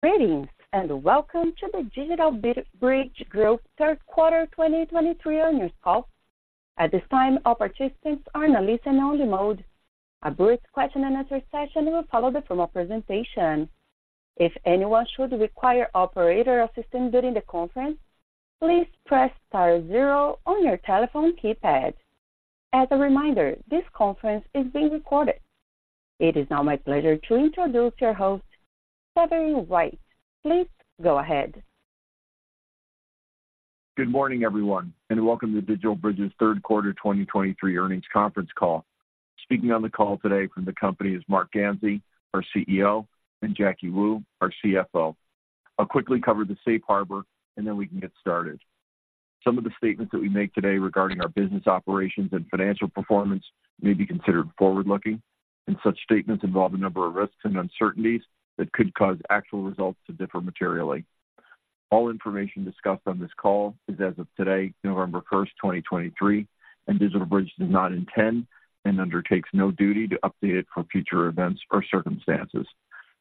Greetings, and welcome to the DigitalBridge Group third quarter 2023 earnings call. At this time, all participants are in a listen-only mode. A brief question and answer session will follow the formal presentation. If anyone should require operator assistance during the conference, please press star zero on your telephone keypad. As a reminder, this conference is being recorded. It is now my pleasure to introduce your host, Severin White. Please go ahead. Good morning, everyone, and welcome to DigitalBridge's third quarter 2023 earnings conference call. Speaking on the call today from the company is Marc Ganzi, our CEO, and Jacky Wu, our CFO. I'll quickly cover the safe harbor, and then we can get started. Some of the statements that we make today regarding our business operations and financial performance may be considered forward-looking, and such statements involve a number of risks and uncertainties that could cause actual results to differ materially. All information discussed on this call is as of today, November 1st, 2023, and DigitalBridge does not intend and undertakes no duty to update it for future events or circumstances.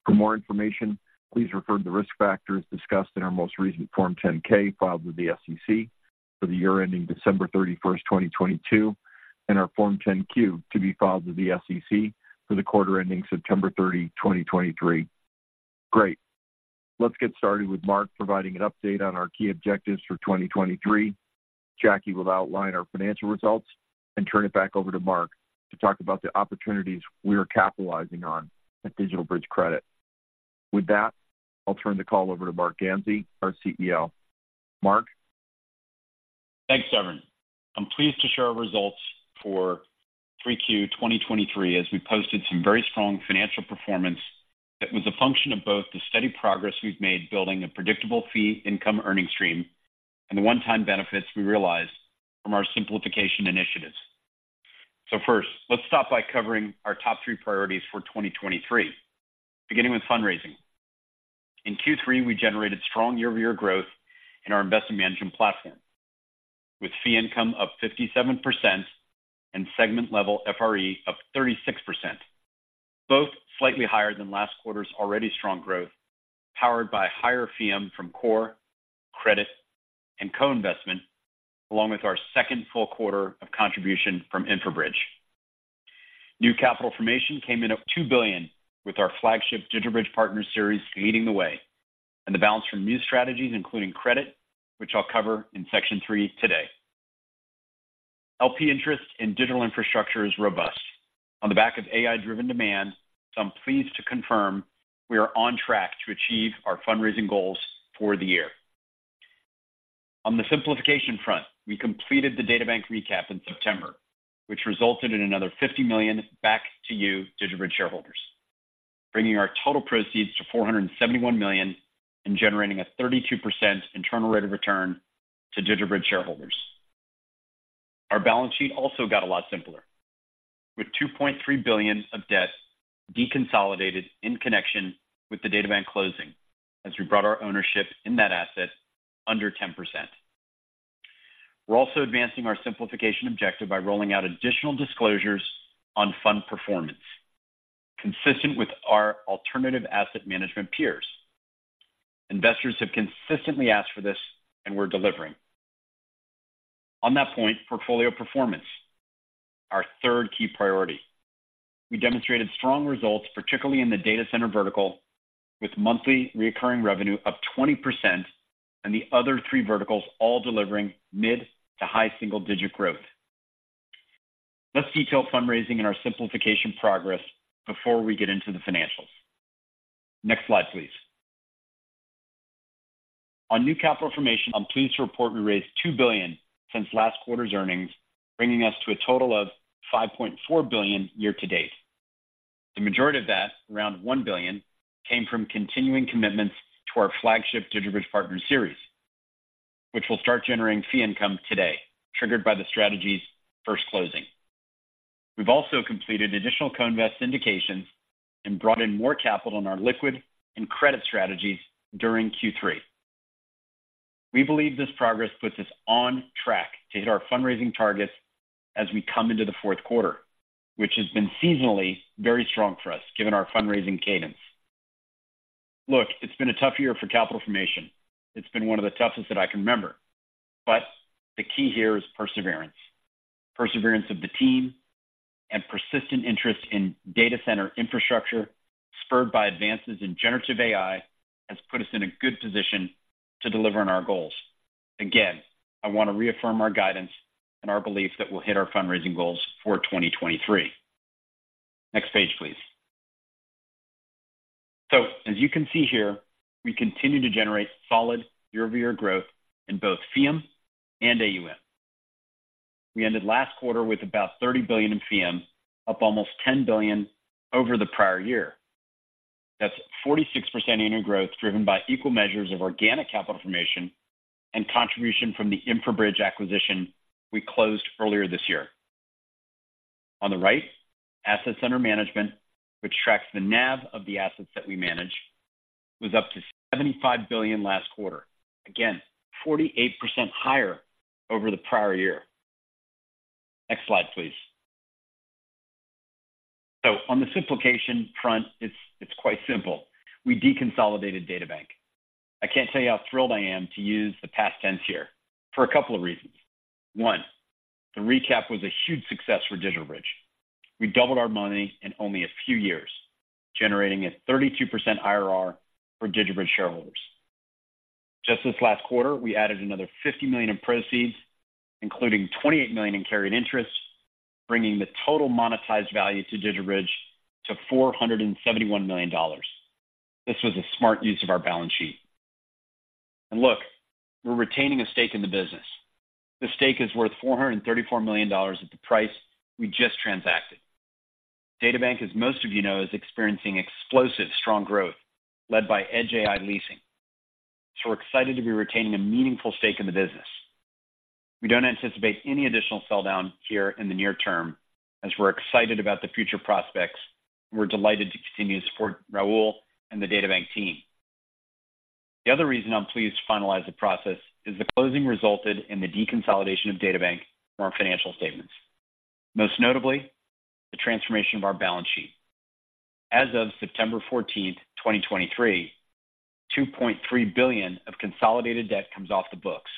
For more information, please refer to the risk factors discussed in our most recent Form 10-K filed with the SEC for the year ending December 31st, 2022, and our Form 10-Q to be filed with the SEC for the quarter ending September 30, 2023. Great. Let's get started with Marc providing an update on our key objectives for 2023. Jacky will outline our financial results and turn it back over to Marc to talk about the opportunities we are capitalizing on at DigitalBridge Credit. With that, I'll turn the call over to Marc Ganzi, our CEO. Marc? Thanks, Severin. I'm pleased to share our results for Q3 2023, as we posted some very strong financial performance that was a function of both the steady progress we've made building a predictable fee income earning stream and the one-time benefits we realized from our simplification initiatives. So first, let's start by covering our top three priorities for 2023, beginning with fundraising. In Q3, we generated strong year-over-year growth in our investment management platform, with fee income up 57% and segment-level FRE up 36%, both slightly higher than last quarter's already strong growth, powered by higher fee from core, credit, and co-investment, along with our second full quarter of contribution from InfraBridge. New capital formation came in at $2 billion, with our flagship DigitalBridge Partners series leading the way, and the balance from new strategies, including credit, which I'll cover in section three today. LP interest in digital infrastructure is robust. On the back of AI-driven demand, so I'm pleased to confirm we are on track to achieve our fundraising goals for the year. On the simplification front, we completed the DataBank recap in September, which resulted in another $50 million back to you, DigitalBridge shareholders, bringing our total proceeds to $471 million and generating a 32% internal rate of return to DigitalBridge shareholders. Our balance sheet also got a lot simpler, with $2.3 billion of debt deconsolidated in connection with the DataBank closing, as we brought our ownership in that asset under 10%. We're also advancing our simplification objective by rolling out additional disclosures on fund performance, consistent with our alternative asset management peers. Investors have consistently asked for this, and we're delivering. On that point, portfolio performance, our third key priority. We demonstrated strong results, particularly in the data center vertical, with monthly recurring revenue up 20% and the other three verticals all delivering mid- to high single-digit growth. Let's detail fundraising and our simplification progress before we get into the financials. Next slide, please. On new capital formation, I'm pleased to report we raised $2 billion since last quarter's earnings, bringing us to a total of $5.4 billion year to date. The majority of that, around $1 billion, came from continuing commitments to our flagship DigitalBridge Partners Series, which will start generating fee income today, triggered by the strategy's first closing. We've also completed additional co-invest syndications and brought in more capital in our liquid and credit strategies during Q3. We believe this progress puts us on track to hit our fundraising targets as we come into the fourth quarter, which has been seasonally very strong for us, given our fundraising cadence. Look, it's been a tough year for capital formation. It's been one of the toughest that I can remember. But the key here is perseverance. Perseverance of the team and persistent interest in data center infrastructure, spurred by advances in generative AI, has put us in a good position to deliver on our goals. Again, I want to reaffirm our guidance and our belief that we'll hit our fundraising goals for 2023. Next page, please. So as you can see here, we continue to generate solid year-over-year growth in both FEEUM and AUM. We ended last quarter with about $30 billion in FEEUM, up almost $10 billion over the prior year. That's 46% annual growth, driven by equal measures of organic capital formation and contribution from the InfraBridge acquisition we closed earlier this year. On the right, assets under management, which tracks the NAV of the assets that we manage, was up to $75 billion last quarter. Again, 48% higher over the prior year. Next slide, please. On the simplification front, it's quite simple. We deconsolidated DataBank. I can't tell you how thrilled I am to use the past tense here for a couple of reasons. One, the recap was a huge success for DigitalBridge. We doubled our money in only a few years, generating a 32% IRR for DigitalBridge shareholders. Just this last quarter, we added another $50 million in proceeds, including $28 million in carried interest, bringing the total monetized value to DigitalBridge to $471 million. This was a smart use of our balance sheet. Look, we're retaining a stake in the business. The stake is worth $434 million at the price we just transacted. DataBank, as most of you know, is experiencing explosive, strong growth led by Edge AI leasing. We're excited to be retaining a meaningful stake in the business. We don't anticipate any additional sell-down here in the near term, as we're excited about the future prospects. We're delighted to continue to support Raul and the DataBank team. The other reason I'm pleased to finalize the process is the closing resulted in the deconsolidation of DataBank from our financial statements. Most notably, the transformation of our balance sheet. As of September 14th, 2023, $2.3 billion of consolidated debt comes off the books,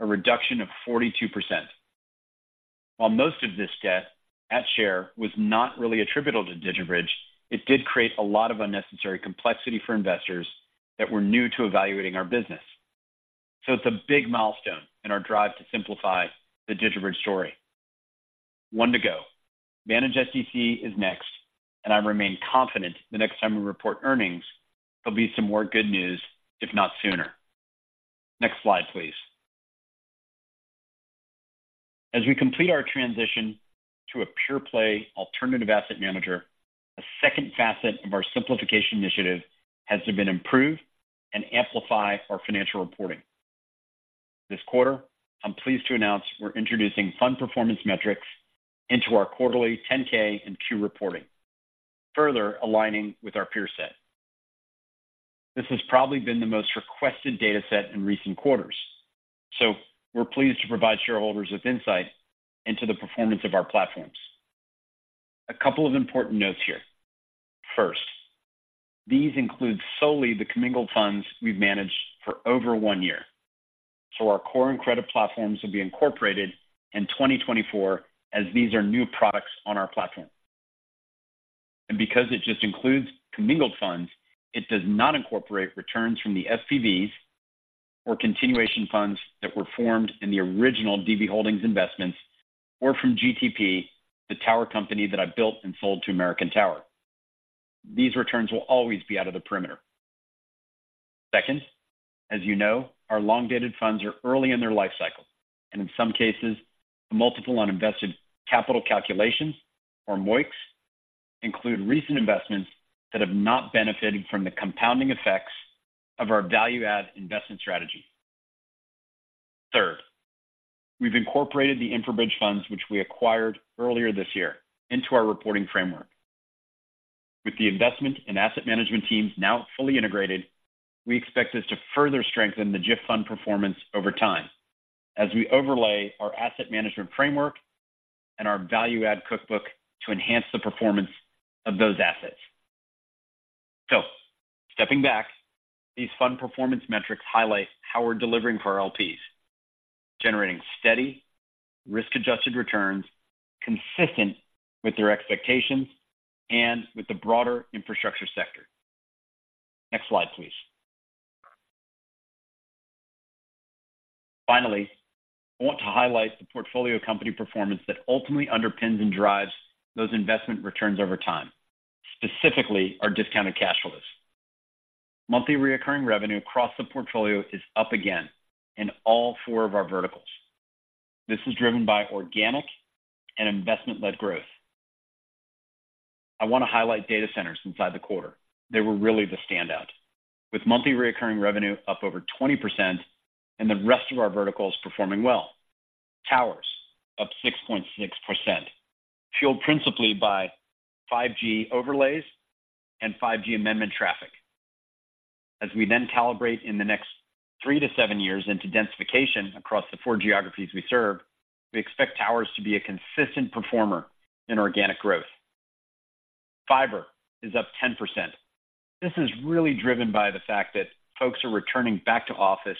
a reduction of 42%. While most of this debt at share was not really attributable to DigitalBridge, it did create a lot of unnecessary complexity for investors that were new to evaluating our business. So it's a big milestone in our drive to simplify the DigitalBridge story. One to go. Vanaged SDC is next, and I remain confident the next time we report earnings, there'll be some more good news, if not sooner. Next slide, please. As we complete our transition to a pure play alternative asset manager, a second facet of our simplification initiative has been to improve and amplify our financial reporting. This quarter, I'm pleased to announce we're introducing fund performance metrics into our quarterly 10-K and 10-Q reporting, further aligning with our peer set. This has probably been the most requested data set in recent quarters, so we're pleased to provide shareholders with insight into the performance of our platforms. A couple of important notes here. First, these include solely the commingled funds we've managed for over one year, so our core and credit platforms will be incorporated in 2024, as these are new products on our platform. And because it just includes commingled funds, it does not incorporate returns from the SPVs or continuation funds that were formed in the original DB Holdings investments or from GTP, the tower company that I built and sold to American Tower. These returns will always be out of the perimeter. Second, as you know, our long-dated funds are early in their lifecycle, and in some cases, the multiple on invested capital calculations, or MOICs, include recent investments that have not benefited from the compounding effects of our value add investment strategy. Third, we've incorporated the InfraBridge funds, which we acquired earlier this year, into our reporting framework. With the investment and asset management teams now fully integrated, we expect this to further strengthen the GIF fund performance over time as we overlay our asset management framework and our value add cookbook to enhance the performance of those assets. So stepping back, these fund performance metrics highlight how we're delivering for our LPs, generating steady risk-adjusted returns consistent with their expectations and with the broader infrastructure sector. Next slide, please. Finally, I want to highlight the portfolio company performance that ultimately underpins and drives those investment returns over time, specifically our discounted cash flows. Monthly recurring revenue across the portfolio is up again in all four of our verticals. This is driven by organic and investment-led growth. I want to highlight data centers inside the quarter. They were really the standout, with monthly recurring revenue up over 20% and the rest of our verticals performing well. Towers, up 6.6%, fueled principally by 5G overlays and 5G amendment traffic. As we then calibrate in the next three to seven years into densification across the 4 geographies we serve, we expect towers to be a consistent performer in organic growth. Fiber is up 10%. This is really driven by the fact that folks are returning back to office,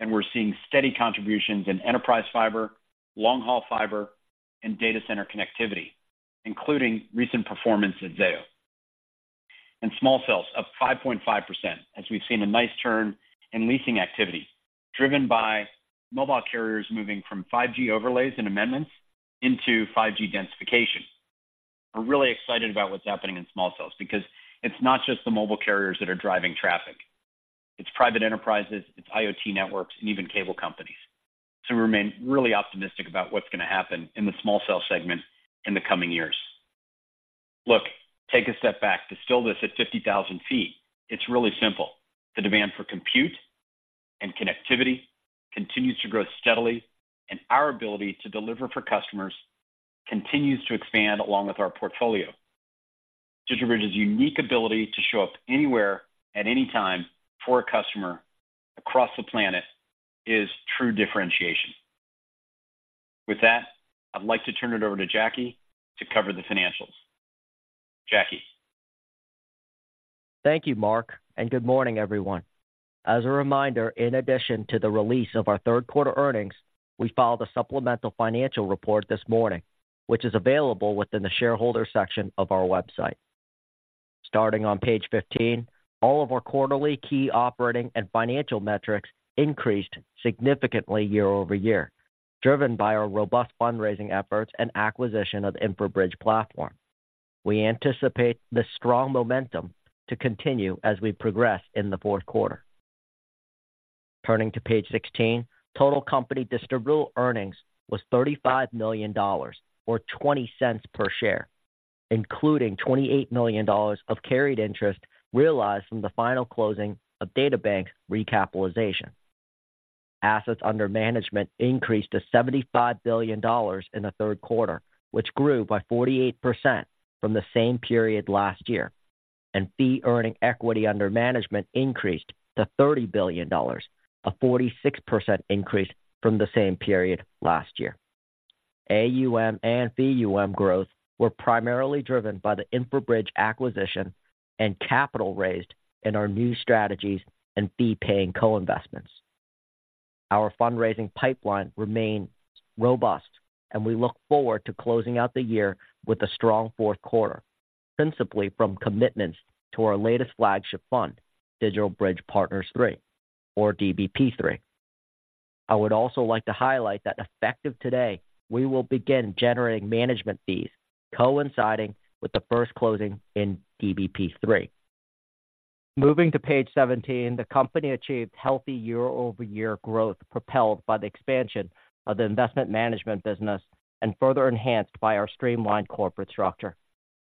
and we're seeing steady contributions in enterprise fiber, long-haul fiber, and data center connectivity, including recent performance at Zayo. And small cells, up 5.5%, as we've seen a nice turn in leasing activity, driven by mobile carriers moving from 5G overlays and amendments into 5G densification. We're really excited about what's happening in small cells because it's not just the mobile carriers that are driving traffic, it's private enterprises, it's IoT networks, and even cable companies. So we remain really optimistic about what's going to happen in the small cell segment in the coming years. Look, take a step back. To distill this at 50,000ft, it's really simple. The demand for compute and connectivity continues to grow steadily, and our ability to deliver for customers continues to expand along with our portfolio. DigitalBridge's unique ability to show up anywhere, at any time, for a customer across the planet is true differentiation. With that, I'd like to turn it over to Jacky to cover the financials. Jacky? Thank you, Marc, and good morning, everyone. As a reminder, in addition to the release of our third quarter earnings, we filed a supplemental financial report this morning, which is available within the shareholder section of our website. Starting on page 15, all of our quarterly key operating and financial metrics increased significantly year-over-year, driven by our robust fundraising efforts and acquisition of the InfraBridge platform. We anticipate this strong momentum to continue as we progress in the fourth quarter. Turning to page 16, total company distributable earnings was $35 million, or $0.20 per share, including $28 million of carried interest realized from the final closing of DataBank's recapitalization. Assets under management increased to $75 billion in the third quarter, which grew by 48% from the same period last year, and fee earning equity under management increased to $30 billion, a 46% increase from the same period last year. AUM and FEUM growth were primarily driven by the InfraBridge acquisition and capital raised in our new strategies and fee-paying co-investments. Our fundraising pipeline remains robust, and we look forward to closing out the year with a strong fourth quarter, principally from commitments to our latest flagship fund, DigitalBridge Partners 3, or DBP-3. I would also like to highlight that effective today, we will begin generating management fees coinciding with the first closing in DBP-3. Moving to page 17, the company achieved healthy year-over-year growth, propelled by the expansion of the investment management business and further enhanced by our streamlined corporate structure.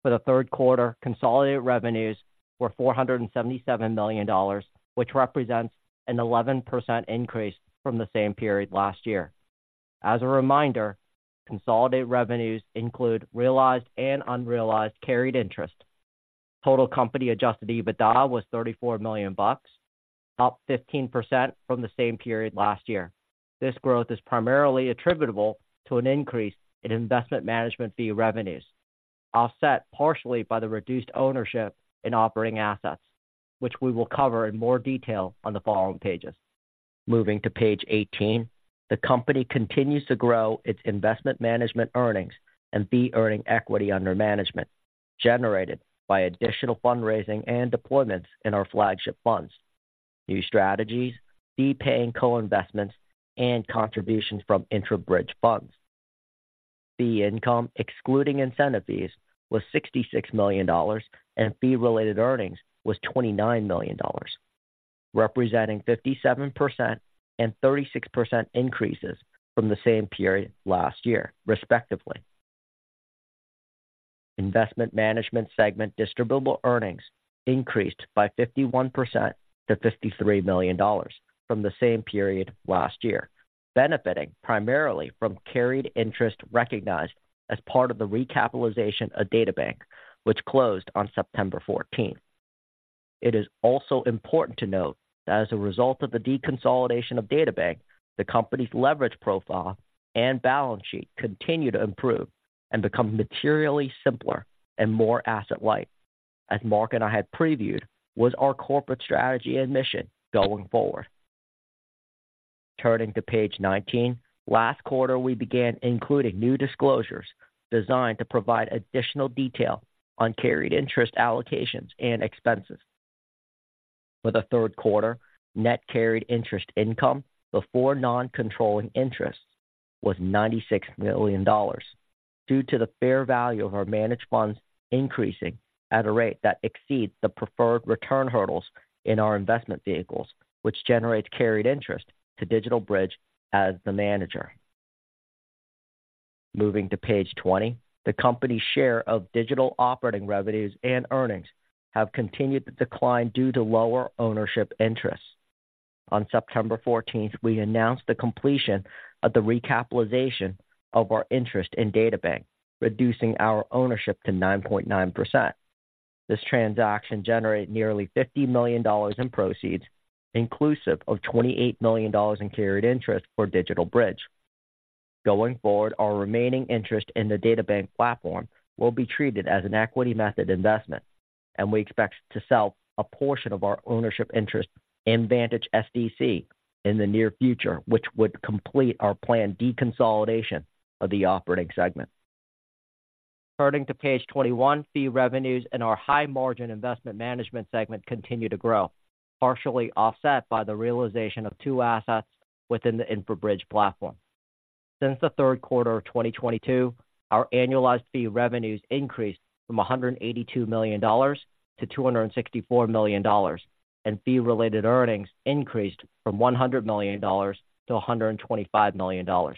For the third quarter, consolidated revenues were $477 million, which represents an 11% increase from the same period last year. As a reminder, consolidated revenues include realized and unrealized carried interest. Total company adjusted EBITDA was $34 million, up 15% from the same period last year. This growth is primarily attributable to an increase in investment management fee revenues, offset partially by the reduced ownership in operating assets, which we will cover in more detail on the following pages. Moving to page 18. The company continues to grow its investment management earnings and fee-earning equity under management, generated by additional fundraising and deployments in our flagship funds, new strategies, fee-paying co-investments, and contributions from InfraBridge funds. Fee income, excluding incentive fees, was $66 million, and fee-related earnings was $29 million, representing 57% and 36% increases from the same period last year, respectively. Investment Management segment distributable earnings increased by 51% to $53 million from the same period last year, benefiting primarily from carried interest recognized as part of the recapitalization of DataBank, which closed on September 14th. It is also important to note that as a result of the deconsolidation of DataBank, the company's leverage profile and balance sheet continue to improve and become materially simpler and more asset light, as Mark and I had previewed, was our corporate strategy and mission going forward. Turning to page 19. Last quarter, we began including new disclosures designed to provide additional detail on carried interest allocations and expenses. For the third quarter, net carried interest income before non-controlling interests was $96 million, due to the fair value of our managed funds increasing at a rate that exceeds the preferred return hurdles in our investment vehicles, which generates carried interest to DigitalBridge as the manager. Moving to page 20. The company's share of digital operating revenues and earnings have continued to decline due to lower ownership interests. On September 14th, we announced the completion of the recapitalization of our interest in DataBank, reducing our ownership to 9.9%. This transaction generated nearly $50 million in proceeds, inclusive of $28 million in carried interest for DigitalBridge. Going forward, our remaining interest in the DataBank platform will be treated as an equity method investment, and we expect to sell a portion of our ownership interest in Vantage SDC in the near future, which would complete our planned deconsolidation of the operating segment. Turning to page 21. Fee revenues in our high-margin investment management segment continue to grow, partially offset by the realization of two assets within the InfraBridge platform. Since the third quarter of 2022, our annualized fee revenues increased from $182 million to $264 million, and fee-related earnings increased from $100 million to $125 million.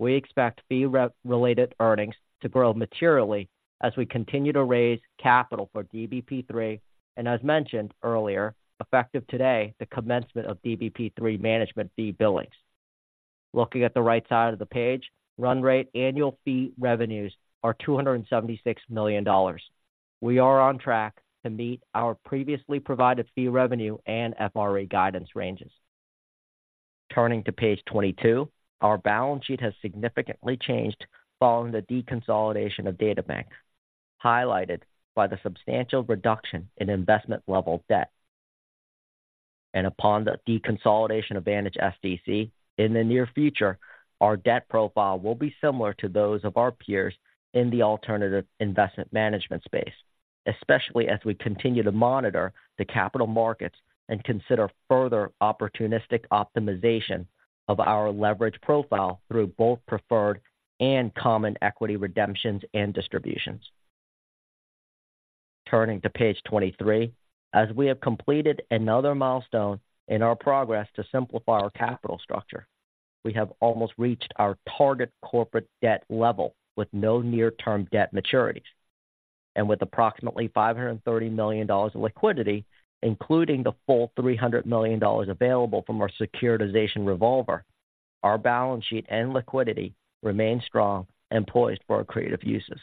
We expect fee-related earnings to grow materially as we continue to raise capital for DBP III, and as mentioned earlier, effective today, the commencement of DBP III management fee billings.... Looking at the right side of the page, run rate annual fee revenues are $276 million. We are on track to meet our previously provided fee revenue and FRA guidance ranges. Turning to page 22, our balance sheet has significantly changed following the deconsolidation of DataBank, highlighted by the substantial reduction in investment level debt. And upon the deconsolidation of Vantage SDC in the near future, our debt profile will be similar to those of our peers in the alternative investment management space, especially as we continue to monitor the capital markets and consider further opportunistic optimization of our leverage profile through both preferred and common equity redemptions and distributions. Turning to page 23, as we have completed another milestone in our progress to simplify our capital structure, we have almost reached our target corporate debt level with no near-term debt maturities. With approximately $530 million in liquidity, including the full $300 million available from our securitization revolver, our balance sheet and liquidity remain strong and poised for our creative uses.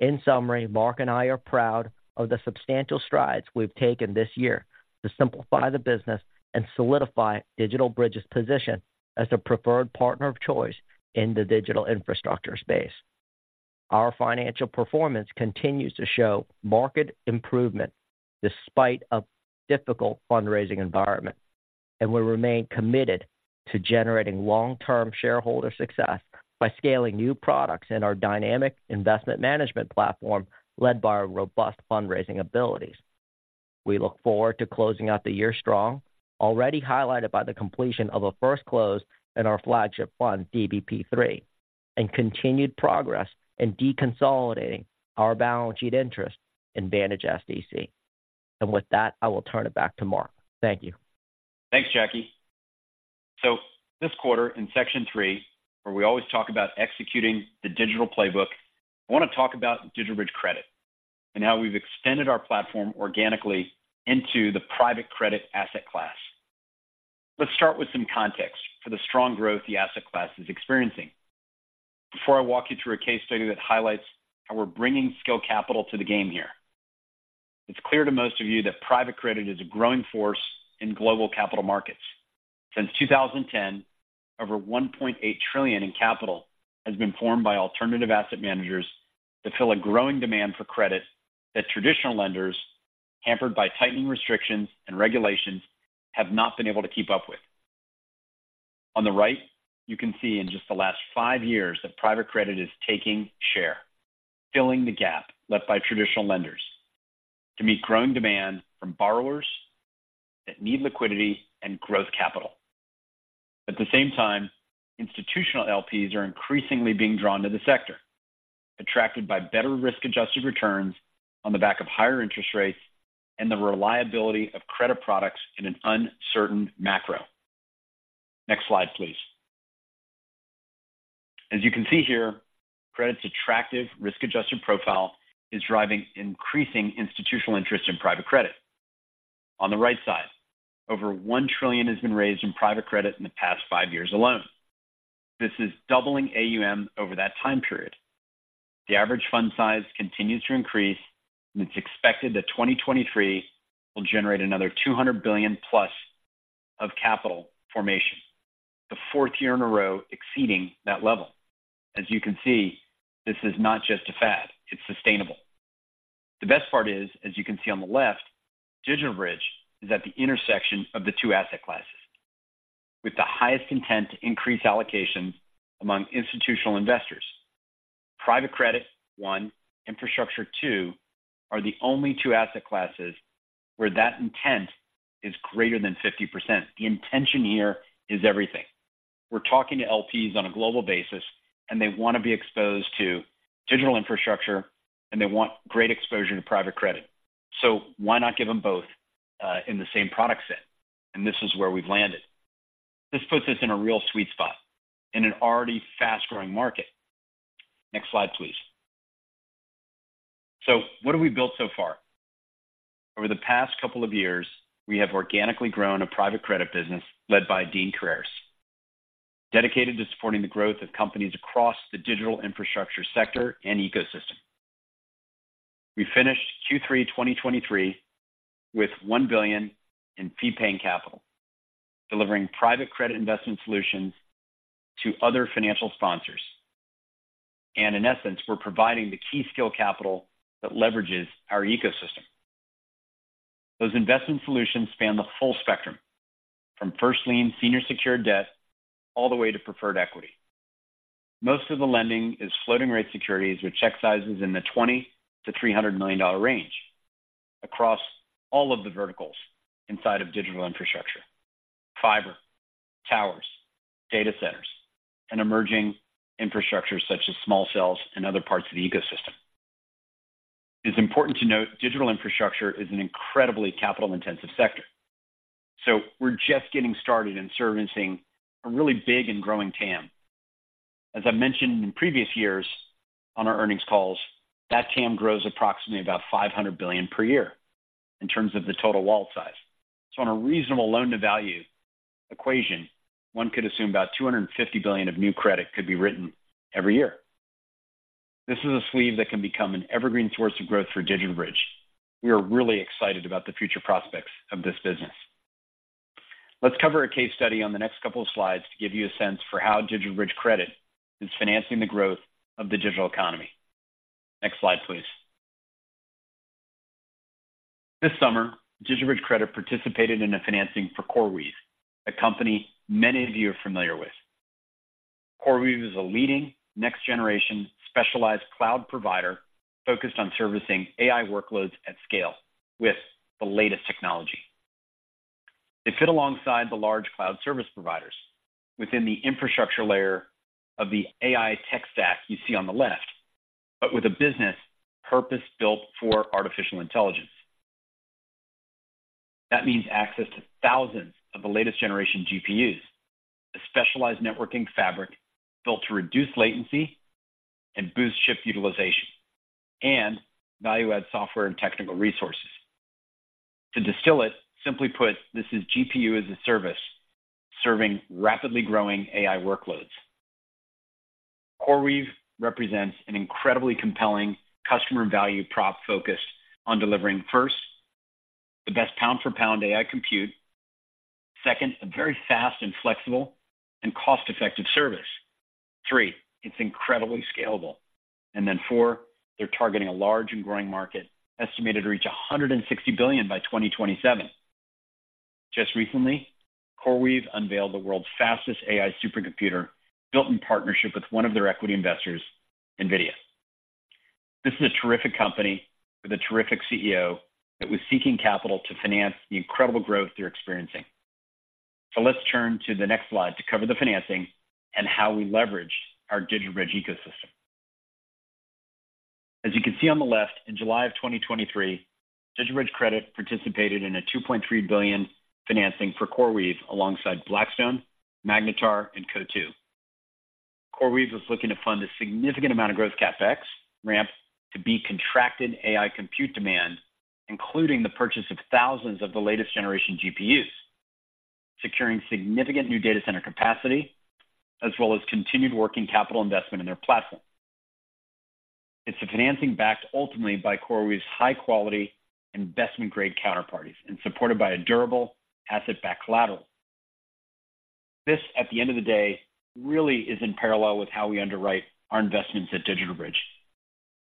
In summary, Mark and I are proud of the substantial strides we've taken this year to simplify the business and solidify DigitalBridge's position as the preferred partner of choice in the digital infrastructure space. Our financial performance continues to show market improvement despite a difficult fundraising environment, and we remain committed to generating long-term shareholder success by scaling new products in our dynamic investment management platform, led by our robust fundraising abilities. We look forward to closing out the year strong, already highlighted by the completion of a first close in our flagship fund, DBP III, and continued progress in deconsolidating our balance sheet interest in Vantage SDC. With that, I will turn it back to Marc. Thank you. Thanks, Jackie. So this quarter, in section three, where we always talk about executing the digital playbook, I want to talk about DigitalBridge Credit and how we've extended our platform organically into the private credit asset class. Let's start with some context for the strong growth the asset class is experiencing. Before I walk you through a case study that highlights how we're bringing skill capital to the game here, it's clear to most of you that private credit is a growing force in global capital markets. Since 2010, over $1.8 trillion in capital has been formed by alternative asset managers to fill a growing demand for credit that traditional lenders, hampered by tightening restrictions and regulations, have not been able to keep up with. On the right, you can see in just the last five years, that private credit is taking share, filling the gap left by traditional lenders to meet growing demand from borrowers that need liquidity and growth capital. At the same time, institutional LPs are increasingly being drawn to the sector, attracted by better risk-adjusted returns on the back of higher interest rates and the reliability of credit products in an uncertain macro. Next slide, please. As you can see here, credit's attractive risk-adjusted profile is driving increasing institutional interest in private credit. On the right side, over $1 trillion has been raised in private credit in the past five years alone. This is doubling AUM over that time period. The average fund size continues to increase, and it's expected that 2023 will generate another $200 billion+ of capital formation, the fourth year in a row exceeding that level. As you can see, this is not just a fad, it's sustainable. The best part is, as you can see on the left, DigitalBridge is at the intersection of the two asset classes, with the highest intent to increase allocations among institutional investors. Private credit, one, infrastructure, two, are the only two asset classes where that intent is greater than 50%. The intention here is everything. We're talking to LPs on a global basis, and they want to be exposed to digital infrastructure, and they want great exposure to private credit. So why not give them both, in the same product set? And this is where we've landed. This puts us in a real sweet spot in an already fast-growing market. Next slide, please. So what have we built so far? Over the past couple of years, we have organically grown a private credit business led by Dean Criares, dedicated to supporting the growth of companies across the digital infrastructure sector and ecosystem. We finished Q3-2023 with $1 billion in fee-paying capital, delivering private credit investment solutions to other financial sponsors. And in essence, we're providing the key skill capital that leverages our ecosystem. Those investment solutions span the full spectrum, from first lien senior secured debt all the way to preferred equity. Most of the lending is floating rate securities, with check sizes in the $20 million-$300 million range across all of the verticals inside of digital infrastructure: fiber, towers, data centers, and emerging infrastructures such as small cells and other parts of the ecosystem. It's important to note, digital infrastructure is an incredibly capital-intensive sector, so we're just getting started in servicing a really big and growing TAM. As I mentioned in previous years on our earnings calls, that TAM grows approximately about $500 billion per year in terms of the total wallet size. So on a reasonable loan-to-value equation, one could assume about $250 billion of new credit could be written every year. This is a sleeve that can become an evergreen source of growth for DigitalBridge. We are really excited about the future prospects of this business. Let's cover a case study on the next couple of slides to give you a sense for how DigitalBridge Credit is financing the growth of the digital economy. Next slide, please. This summer, DigitalBridge Credit participated in a financing for CoreWeave, a company many of you are familiar with. CoreWeave is a leading next generation specialized cloud provider focused on servicing AI workloads at scale with the latest technology. They fit alongside the large cloud service providers within the infrastructure layer of the AI tech stack you see on the left, but with a business purpose-built for artificial intelligence. That means access to thousands of the latest generation GPUs, a specialized networking fabric built to reduce latency and boost ship utilization, and value-add software and technical resources. To distill it, simply put, this is GPU as a service, serving rapidly growing AI workloads. CoreWeave represents an incredibly compelling customer value prop focused on delivering, first, the best pound-for-pound AI compute. Second, a very fast and flexible and cost-effective service. Three, it's incredibly scalable. And then four, they're targeting a large and growing market, estimated to reach $160 billion by 2027. Just recently, CoreWeave unveiled the world's fastest AI supercomputer, built in partnership with one of their equity investors, NVIDIA. This is a terrific company with a terrific CEO that was seeking capital to finance the incredible growth they're experiencing. So let's turn to the next slide to cover the financing and how we leveraged our DigitalBridge ecosystem. As you can see on the left, in July 2023, DigitalBridge Credit participated in a $2.3 billion financing for CoreWeave, alongside Blackstone, Magnetar, and Coatue. CoreWeave was looking to fund a significant amount of growth CapEx ramp to be contracted AI compute demand, including the purchase of thousands of the latest generation GPUs, securing significant new data center capacity, as well as continued working capital investment in their platform. It's a financing backed ultimately by CoreWeave's high quality investment-grade counterparties and supported by a durable asset-backed collateral. This, at the end of the day, really is in parallel with how we underwrite our investments at DigitalBridge.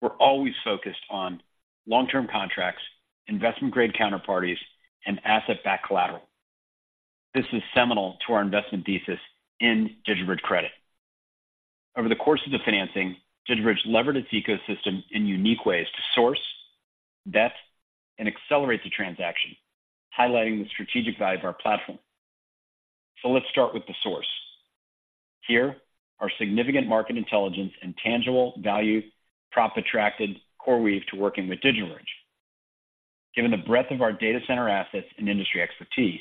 We're always focused on long-term contracts, investment-grade counterparties, and asset-backed collateral. This is seminal to our investment thesis in DigitalBridge Credit. Over the course of the financing, DigitalBridge leveraged its ecosystem in unique ways to source, vet, and accelerate the transaction, highlighting the strategic value of our platform. So let's start with the source. Here, our significant market intelligence and tangible value prop attracted CoreWeave to working with DigitalBridge. Given the breadth of our data center assets and industry expertise,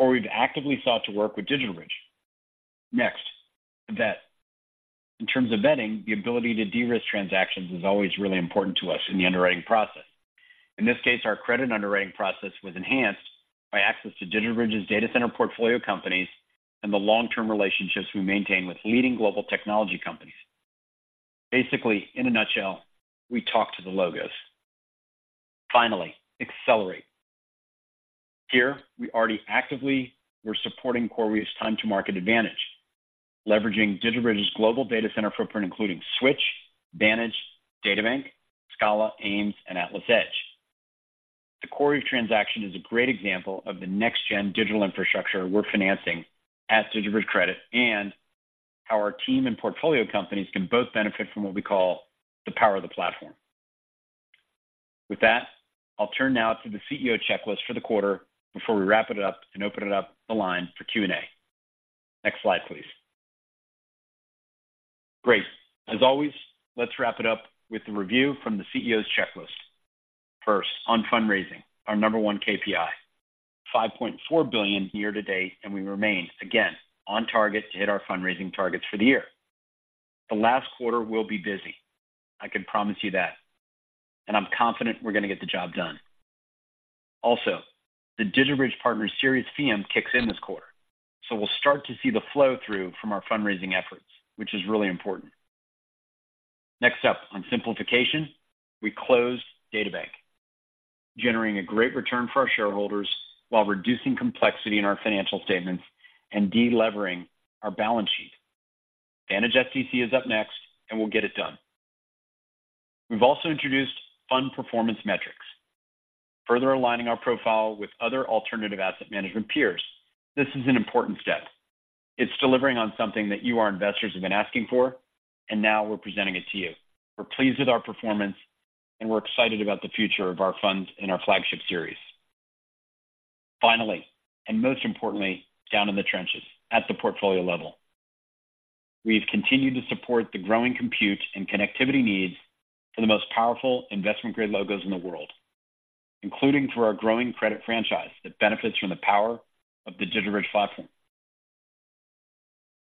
CoreWeave actively sought to work with DigitalBridge. Next, vet. In terms of vetting, the ability to de-risk transactions is always really important to us in the underwriting process. In this case, our credit underwriting process was enhanced by access to DigitalBridge's data center portfolio companies and the long-term relationships we maintain with leading global technology companies. Basically, in a nutshell, we talk to the logos. Finally, accelerate. Here, we already actively were supporting CoreWeave's time-to-market advantage, leveraging DigitalBridge's global data center footprint, including Switch, Vantage, DataBank, Scala, AIMS, and AtlasEdge. The CoreWeave transaction is a great example of the next gen digital infrastructure we're financing as DigitalBridge Credit, and how our team and portfolio companies can both benefit from what we call the power of the platform. With that, I'll turn now to the CEO checklist for the quarter before we wrap it up and open it up the line for Q&A. Next slide, please. Great. As always, let's wrap it up with a review from the CEO's checklist. First, on fundraising, our number one KPI, $5.4 billion year to date, and we remain again on target to hit our fundraising targets for the year. The last quarter will be busy, I can promise you that, and I'm confident we're going to get the job done. Also, the DigitalBridge Partners Series Fees kicks in this quarter, so we'll start to see the flow through from our fundraising efforts, which is really important. Next up, on simplification, we closed DataBank, generating a great return for our shareholders while reducing complexity in our financial statements and de-levering our balance sheet. Vantage SDC is up next, and we'll get it done. We've also introduced fund performance metrics, further aligning our profile with other alternative asset management peers. This is an important step. It's delivering on something that you, our investors, have been asking for, and now we're presenting it to you. We're pleased with our performance, and we're excited about the future of our funds and our flagship series. Finally, and most importantly, down in the trenches at the portfolio level, we've continued to support the growing compute and connectivity needs for the most powerful investment-grade logos in the world.... including for our growing credit franchise, that benefits from the power of the DigitalBridge platform.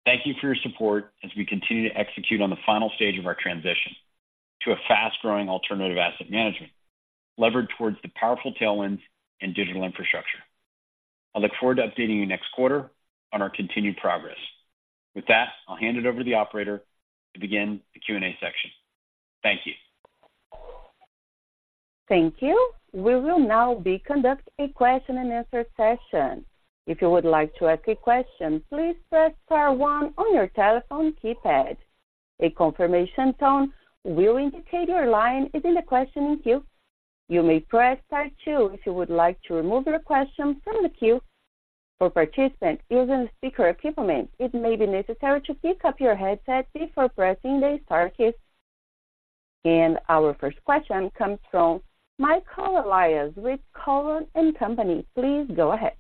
Thank you for your support as we continue to execute on the final stage of our transition to a fast-growing alternative asset management, levered towards the powerful tailwinds and digital infrastructure. I look forward to updating you next quarter on our continued progress. With that, I'll hand it over to the operator to begin the Q&A section. Thank you. Thank you. We will now be conducting a question and answer session. If you would like to ask a question, please press star one on your telephone keypad. A confirmation tone will indicate your line is in the questioning queue. You may press star two if you would like to remove your question from the queue. For participants using speaker equipment, it may be necessary to pick up your headset before pressing the star keys. Our first question comes from Michael Elias with Cowen and Company. Please go ahead.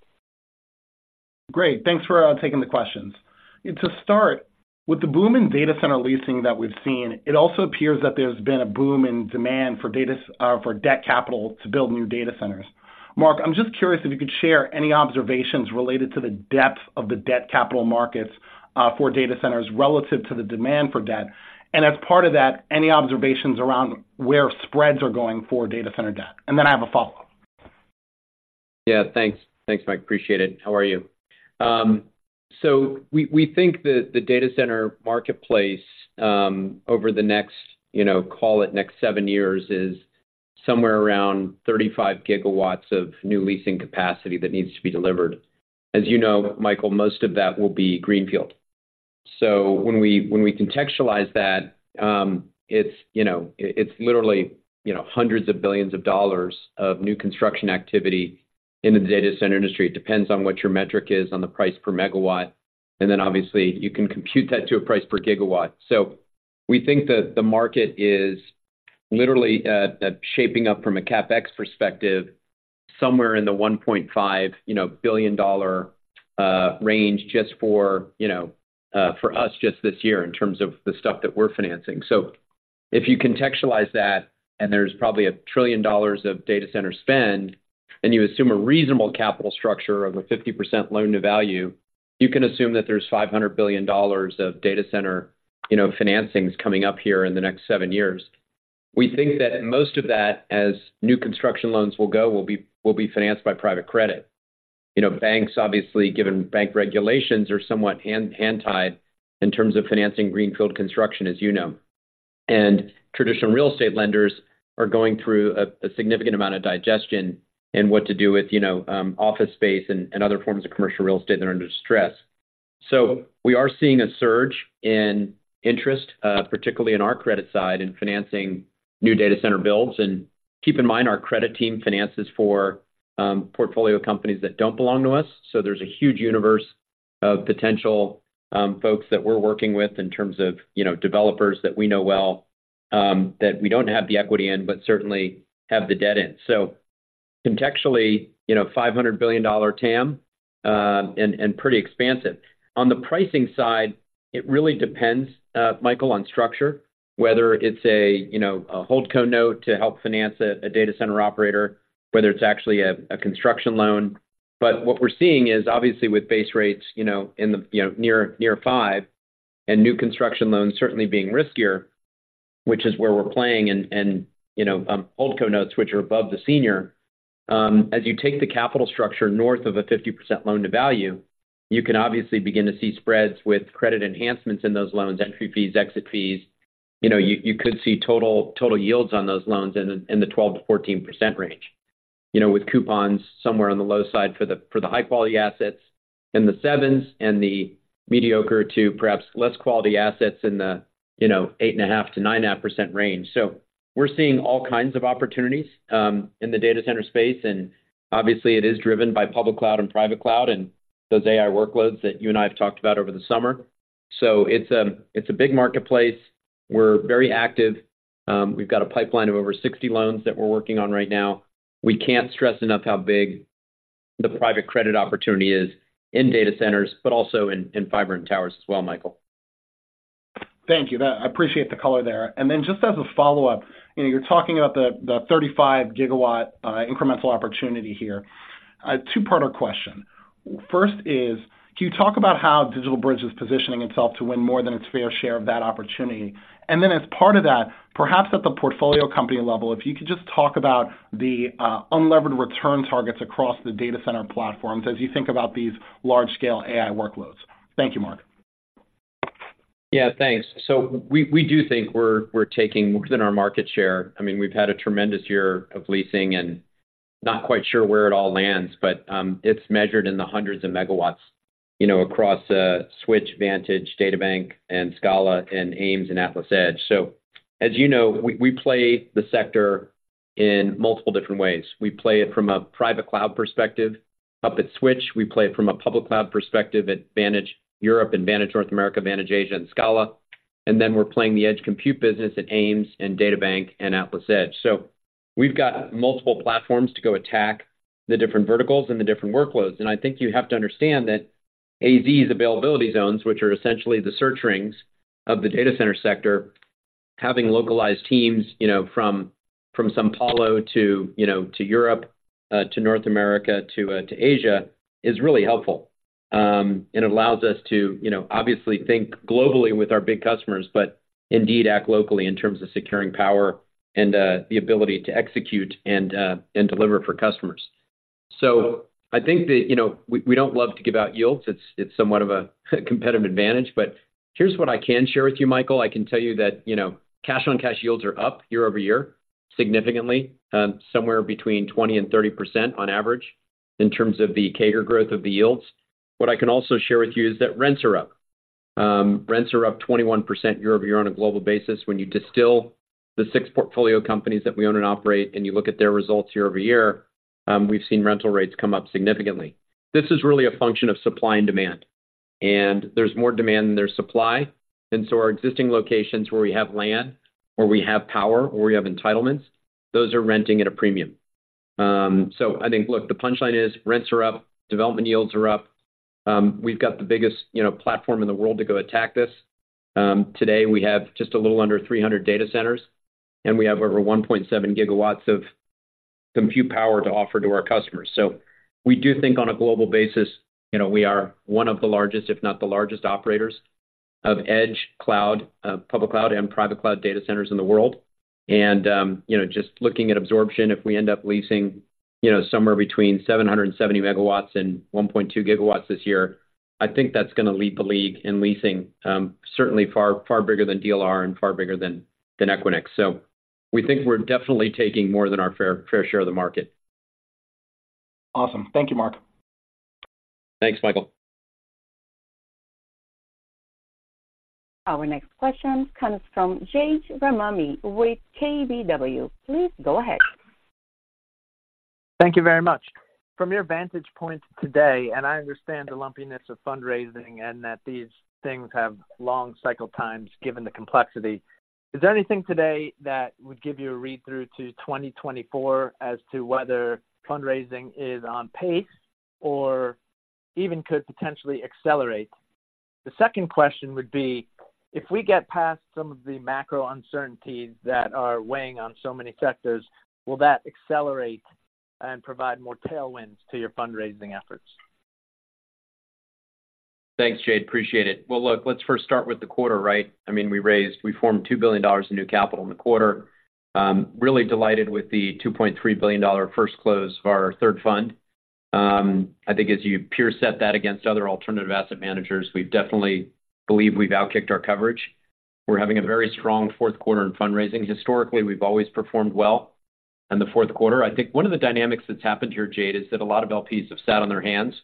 Great. Thanks for taking the questions. To start, with the boom in data center leasing that we've seen, it also appears that there's been a boom in demand for data, for debt capital to build new data centers. Mark, I'm just curious if you could share any observations related to the depth of the debt capital markets, for data centers relative to the demand for debt. And as part of that, any observations around where spreads are going for data center debt? And then I have a follow-up. Yeah, thanks. Thanks, Mike. Appreciate it. How are you? So we think that the data center marketplace, over the next, you know, call it next seven years, is somewhere around 35 gigawatts of new leasing capacity that needs to be delivered. As you know, Michael, most of that will be greenfield. So when we contextualize that, it's, you know, literally, you know, hundreds of billions of dollars of new construction activity in the data center industry. It depends on what your metric is on the price per megawatt, and then obviously, you can compute that to a price per gigawatt. So we think that the market is literally shaping up from a CapEx perspective, somewhere in the $1.5 billion range, just for, you know, for us, just this year in terms of the stuff that we're financing. So if you contextualize that, and there's probably $1 trillion of data center spend, and you assume a reasonable capital structure of a 50% loan to value, you can assume that there's $500 billion of data center, you know, financings coming up here in the next seven years. We think that most of that, as new construction loans will go, will be financed by private credit. You know, banks, obviously, given bank regulations, are somewhat hand-tied in terms of financing greenfield construction, as you know. Traditional real estate lenders are going through a significant amount of digestion in what to do with, you know, office space and other forms of commercial real estate that are under distress. So we are seeing a surge in interest, particularly in our credit side, in financing new data center builds. And keep in mind, our credit team finances for portfolio companies that don't belong to us, so there's a huge universe of potential folks that we're working with in terms of, you know, developers that we know well, that we don't have the equity in, but certainly have the debt in. So contextually, you know, $500 billion TAM, and pretty expansive. On the pricing side, it really depends, Michael, on structure, whether it's a, you know, a holdco note to help finance a data center operator, whether it's actually a construction loan. But what we're seeing is obviously with base rates, you know, in the, you know, near 5, and new construction loans certainly being riskier, which is where we're playing and, you know, holdco notes, which are above the senior. As you take the capital structure north of a 50% loan-to-value, you can obviously begin to see spreads with credit enhancements in those loans, entry fees, exit fees. You know, you could see total yields on those loans in the 12%-14% range. You know, with coupons somewhere on the low side for the high-quality assets in the 7s, and the mediocre to perhaps less quality assets in the, you know, 8.5%-9.5% range. So we're seeing all kinds of opportunities in the data center space, and obviously, it is driven by public cloud and private cloud and those AI workloads that you and I have talked about over the summer. So it's a big marketplace. We're very active. We've got a pipeline of over 60 loans that we're working on right now. We can't stress enough how big the private credit opportunity is in data centers, but also in fiber and towers as well, Michael. Thank you. That. I appreciate the color there. And then just as a follow-up, you know, you're talking about the 35 GW incremental opportunity here. A two-parter question. First is: can you talk about how DigitalBridge is positioning itself to win more than its fair share of that opportunity? And then as part of that, perhaps at the portfolio company level, if you could just talk about the unlevered return targets across the data center platforms as you think about these large-scale AI workloads. Thank you, Mark. Yeah, thanks. So we do think we're taking more than our market share. I mean, we've had a tremendous year of leasing and not quite sure where it all lands, but it's measured in the hundreds of megawatts, you know, across Switch, Vantage, DataBank and Scala and AIMS and AtlasEdge. So, as you know, we play the sector in multiple different ways. We play it from a private cloud perspective up at Switch. We play it from a public cloud perspective at Vantage Europe and Vantage North America, Vantage Asia, and Scala. And then we're playing the edge compute business at AIMS and DataBank and AtlasEdge. So we've got multiple platforms to go attack the different verticals and the different workloads. And I think you have to understand that AZ's Availability Zones, which are essentially the search rings of the data center sector... Having localized teams, you know, from São Paulo to, you know, to Europe, to North America, to Asia, is really helpful. And it allows us to, you know, obviously think globally with our big customers, but indeed act locally in terms of securing power and the ability to execute and deliver for customers. So I think that, you know, we don't love to give out yields. It's somewhat of a competitive advantage, but here's what I can share with you, Michael. I can tell you that, you know, cash-on-cash yields are up year-over-year, significantly, somewhere between 20% and 30% on average, in terms of the CAGR growth of the yields. What I can also share with you is that rents are up. Rents are up 21% year-over-year on a global basis. When you distill the six portfolio companies that we own and operate, and you look at their results year-over-year, we've seen rental rates come up significantly. This is really a function of supply and demand, and there's more demand than there's supply. And so our existing locations where we have land, or we have power, or we have entitlements, those are renting at a premium. So I think, look, the punchline is rents are up, development yields are up. We've got the biggest, you know, platform in the world to go attack this. Today, we have just a little under 300 data centers, and we have over 1.7 gigawatts of compute power to offer to our customers. So we do think on a global basis, you know, we are one of the largest, if not the largest, operators of edge, cloud, public cloud, and private cloud data centers in the world. And, you know, just looking at absorption, if we end up leasing, you know, somewhere between 770 MW and 1.2 GW this year, I think that's going to lead the league in leasing. Certainly far, far bigger than DLR and far bigger than, than Equinix. So we think we're definitely taking more than our fair, fair share of the market. Awesome. Thank you, Marc. Thanks, Michael. Our next question comes from Jade Rahmani with KBW. Please go ahead. Thank you very much. From your vantage point today, and I understand the lumpiness of fundraising and that these things have long cycle times, given the complexity, is there anything today that would give you a read-through to 2024 as to whether fundraising is on pace or even could potentially accelerate? The second question would be: if we get past some of the macro uncertainties that are weighing on so many sectors, will that accelerate and provide more tailwinds to your fundraising efforts? Thanks, Jade. Appreciate it. Well, look, let's first start with the quarter, right? I mean, we raised—we formed $2 billion in new capital in the quarter. Really delighted with the $2.3 billion first close of our third fund. I think as you peer set that against other alternative asset managers, we've definitely believe we've outkicked our coverage. We're having a very strong fourth quarter in fundraising. Historically, we've always performed well in the fourth quarter. I think one of the dynamics that's happened here, Jade, is that a lot of LPs have sat on their hands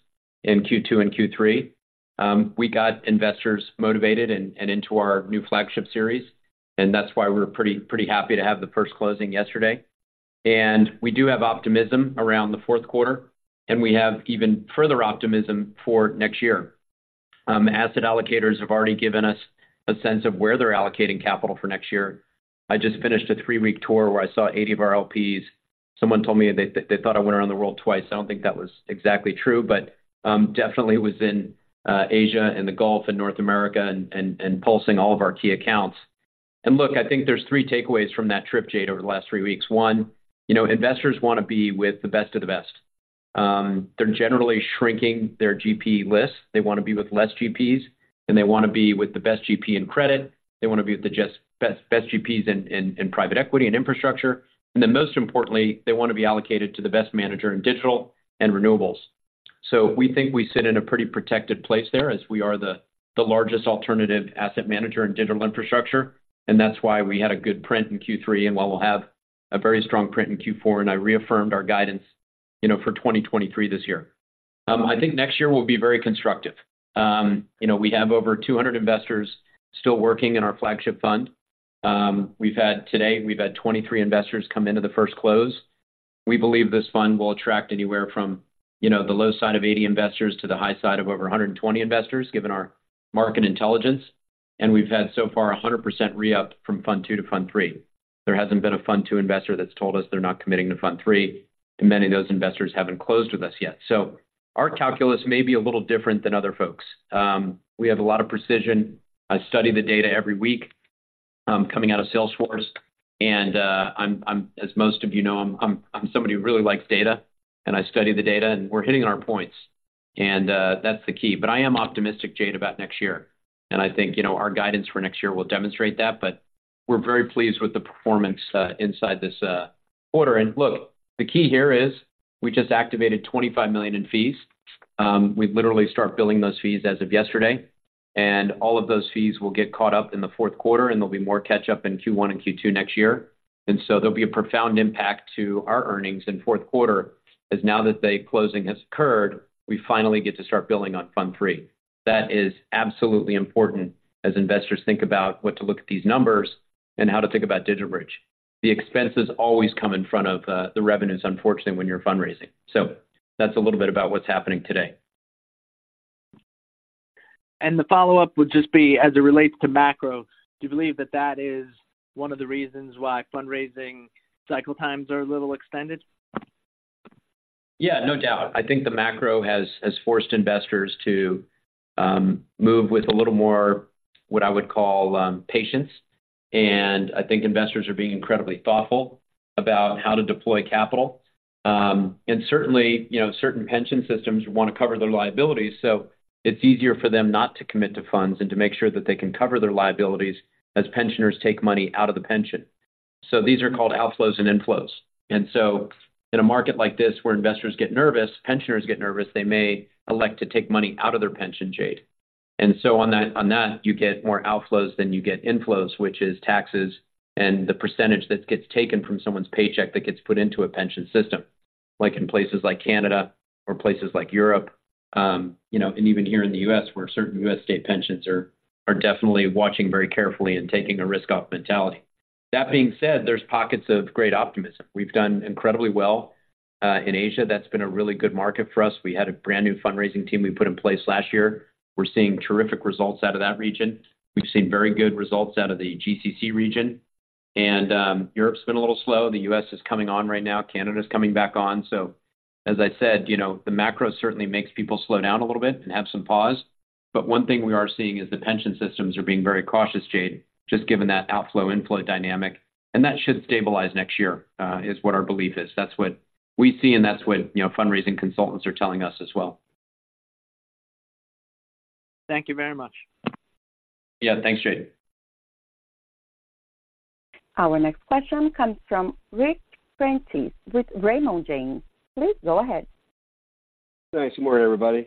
in Q2 and Q3. We got investors motivated and, and into our new flagship series, and that's why we're pretty, pretty happy to have the first closing yesterday. We do have optimism around the fourth quarter, and we have even further optimism for next year. Asset allocators have already given us a sense of where they're allocating capital for next year. I just finished a three-week tour where I saw 80 of our LPs. Someone told me they thought I went around the world twice. I don't think that was exactly true, but definitely was in Asia and the Gulf and North America and pulsing all of our key accounts. And look, I think there's 3 takeaways from that trip, Jade, over the last weeks. One, you know, investors want to be with the best of the best. They're generally shrinking their GP list. They want to be with less GPs, and they want to be with the best GP in credit. They want to be with the just-best, best GPs in private equity and infrastructure. And then, most importantly, they want to be allocated to the best manager in digital and renewables. So we think we sit in a pretty protected place there, as we are the largest alternative asset manager in digital infrastructure, and that's why we had a good print in Q3, and while we'll have a very strong print in Q4, and I reaffirmed our guidance, you know, for 2023 this year. I think next year will be very constructive. You know, we have over 200 investors still working in our flagship fund. Today, we've had 23 investors come into the first close. We believe this fund will attract anywhere from, you know, the low side of 80 investors to the high side of over 120 investors, given our market intelligence, and we've had so far 100% re-up from fund two to fund three. There hasn't been a fund two investor that's told us they're not committing to fund three, and many of those investors haven't closed with us yet. So our calculus may be a little different than other folks. We have a lot of precision. I study the data every week, coming out of Salesforce, and, as most of you know, I'm somebody who really likes data, and I study the data, and we're hitting our points, and that's the key. I am optimistic, Jade, about next year, and I think, you know, our guidance for next year will demonstrate that, but we're very pleased with the performance inside this quarter. And look, the key here is we just activated $25 million in fees. We'd literally start billing those fees as of yesterday, and all of those fees will get caught up in the fourth quarter, and there'll be more catch-up in Q1 and Q2 next year. And so there'll be a profound impact to our earnings in fourth quarter, as now that the closing has occurred, we finally get to start billing on fund three. That is absolutely important as investors think about what to look at these numbers and how to think about DigitalBridge. The expenses always come in front of the revenues, unfortunately, when you're fundraising. So that's a little bit about what's happening today. The follow-up would just be, as it relates to macro, do you believe that that is one of the reasons why fundraising cycle times are a little extended? ... Yeah, no doubt. I think the macro has forced investors to move with a little more, what I would call, patience. I think investors are being incredibly thoughtful about how to deploy capital. Certainly, you know, certain pension systems want to cover their liabilities, so it's easier for them not to commit to funds and to make sure that they can cover their liabilities as pensioners take money out of the pension. These are called outflows and inflows. In a market like this, where investors get nervous, pensioners get nervous, they may elect to take money out of their pension, Jade. And so on that, on that, you get more outflows than you get inflows, which is taxes and the percentage that gets taken from someone's paycheck that gets put into a pension system, like in places like Canada or places like Europe, you know, and even here in the U.S., where certain U.S. state pensions are definitely watching very carefully and taking a risk-off mentality. That being said, there's pockets of great optimism. We've done incredibly well in Asia. That's been a really good market for us. We had a brand-new fundraising team we put in place last year. We're seeing terrific results out of that region. We've seen very good results out of the GCC region, and, Europe's been a little slow. The U.S. is coming on right now. Canada's coming back on. So as I said, you know, the macro certainly makes people slow down a little bit and have some pause, but one thing we are seeing is the pension systems are being very cautious, Jade, just given that outflow-inflow dynamic, and that should stabilize next year, is what our belief is. That's what we see, and that's what, you know, fundraising consultants are telling us as well. Thank you very much. Yeah. Thanks, Jade. Our next question comes from Ric Prentiss with Raymond James. Please go ahead. Thanks. Good morning, everybody.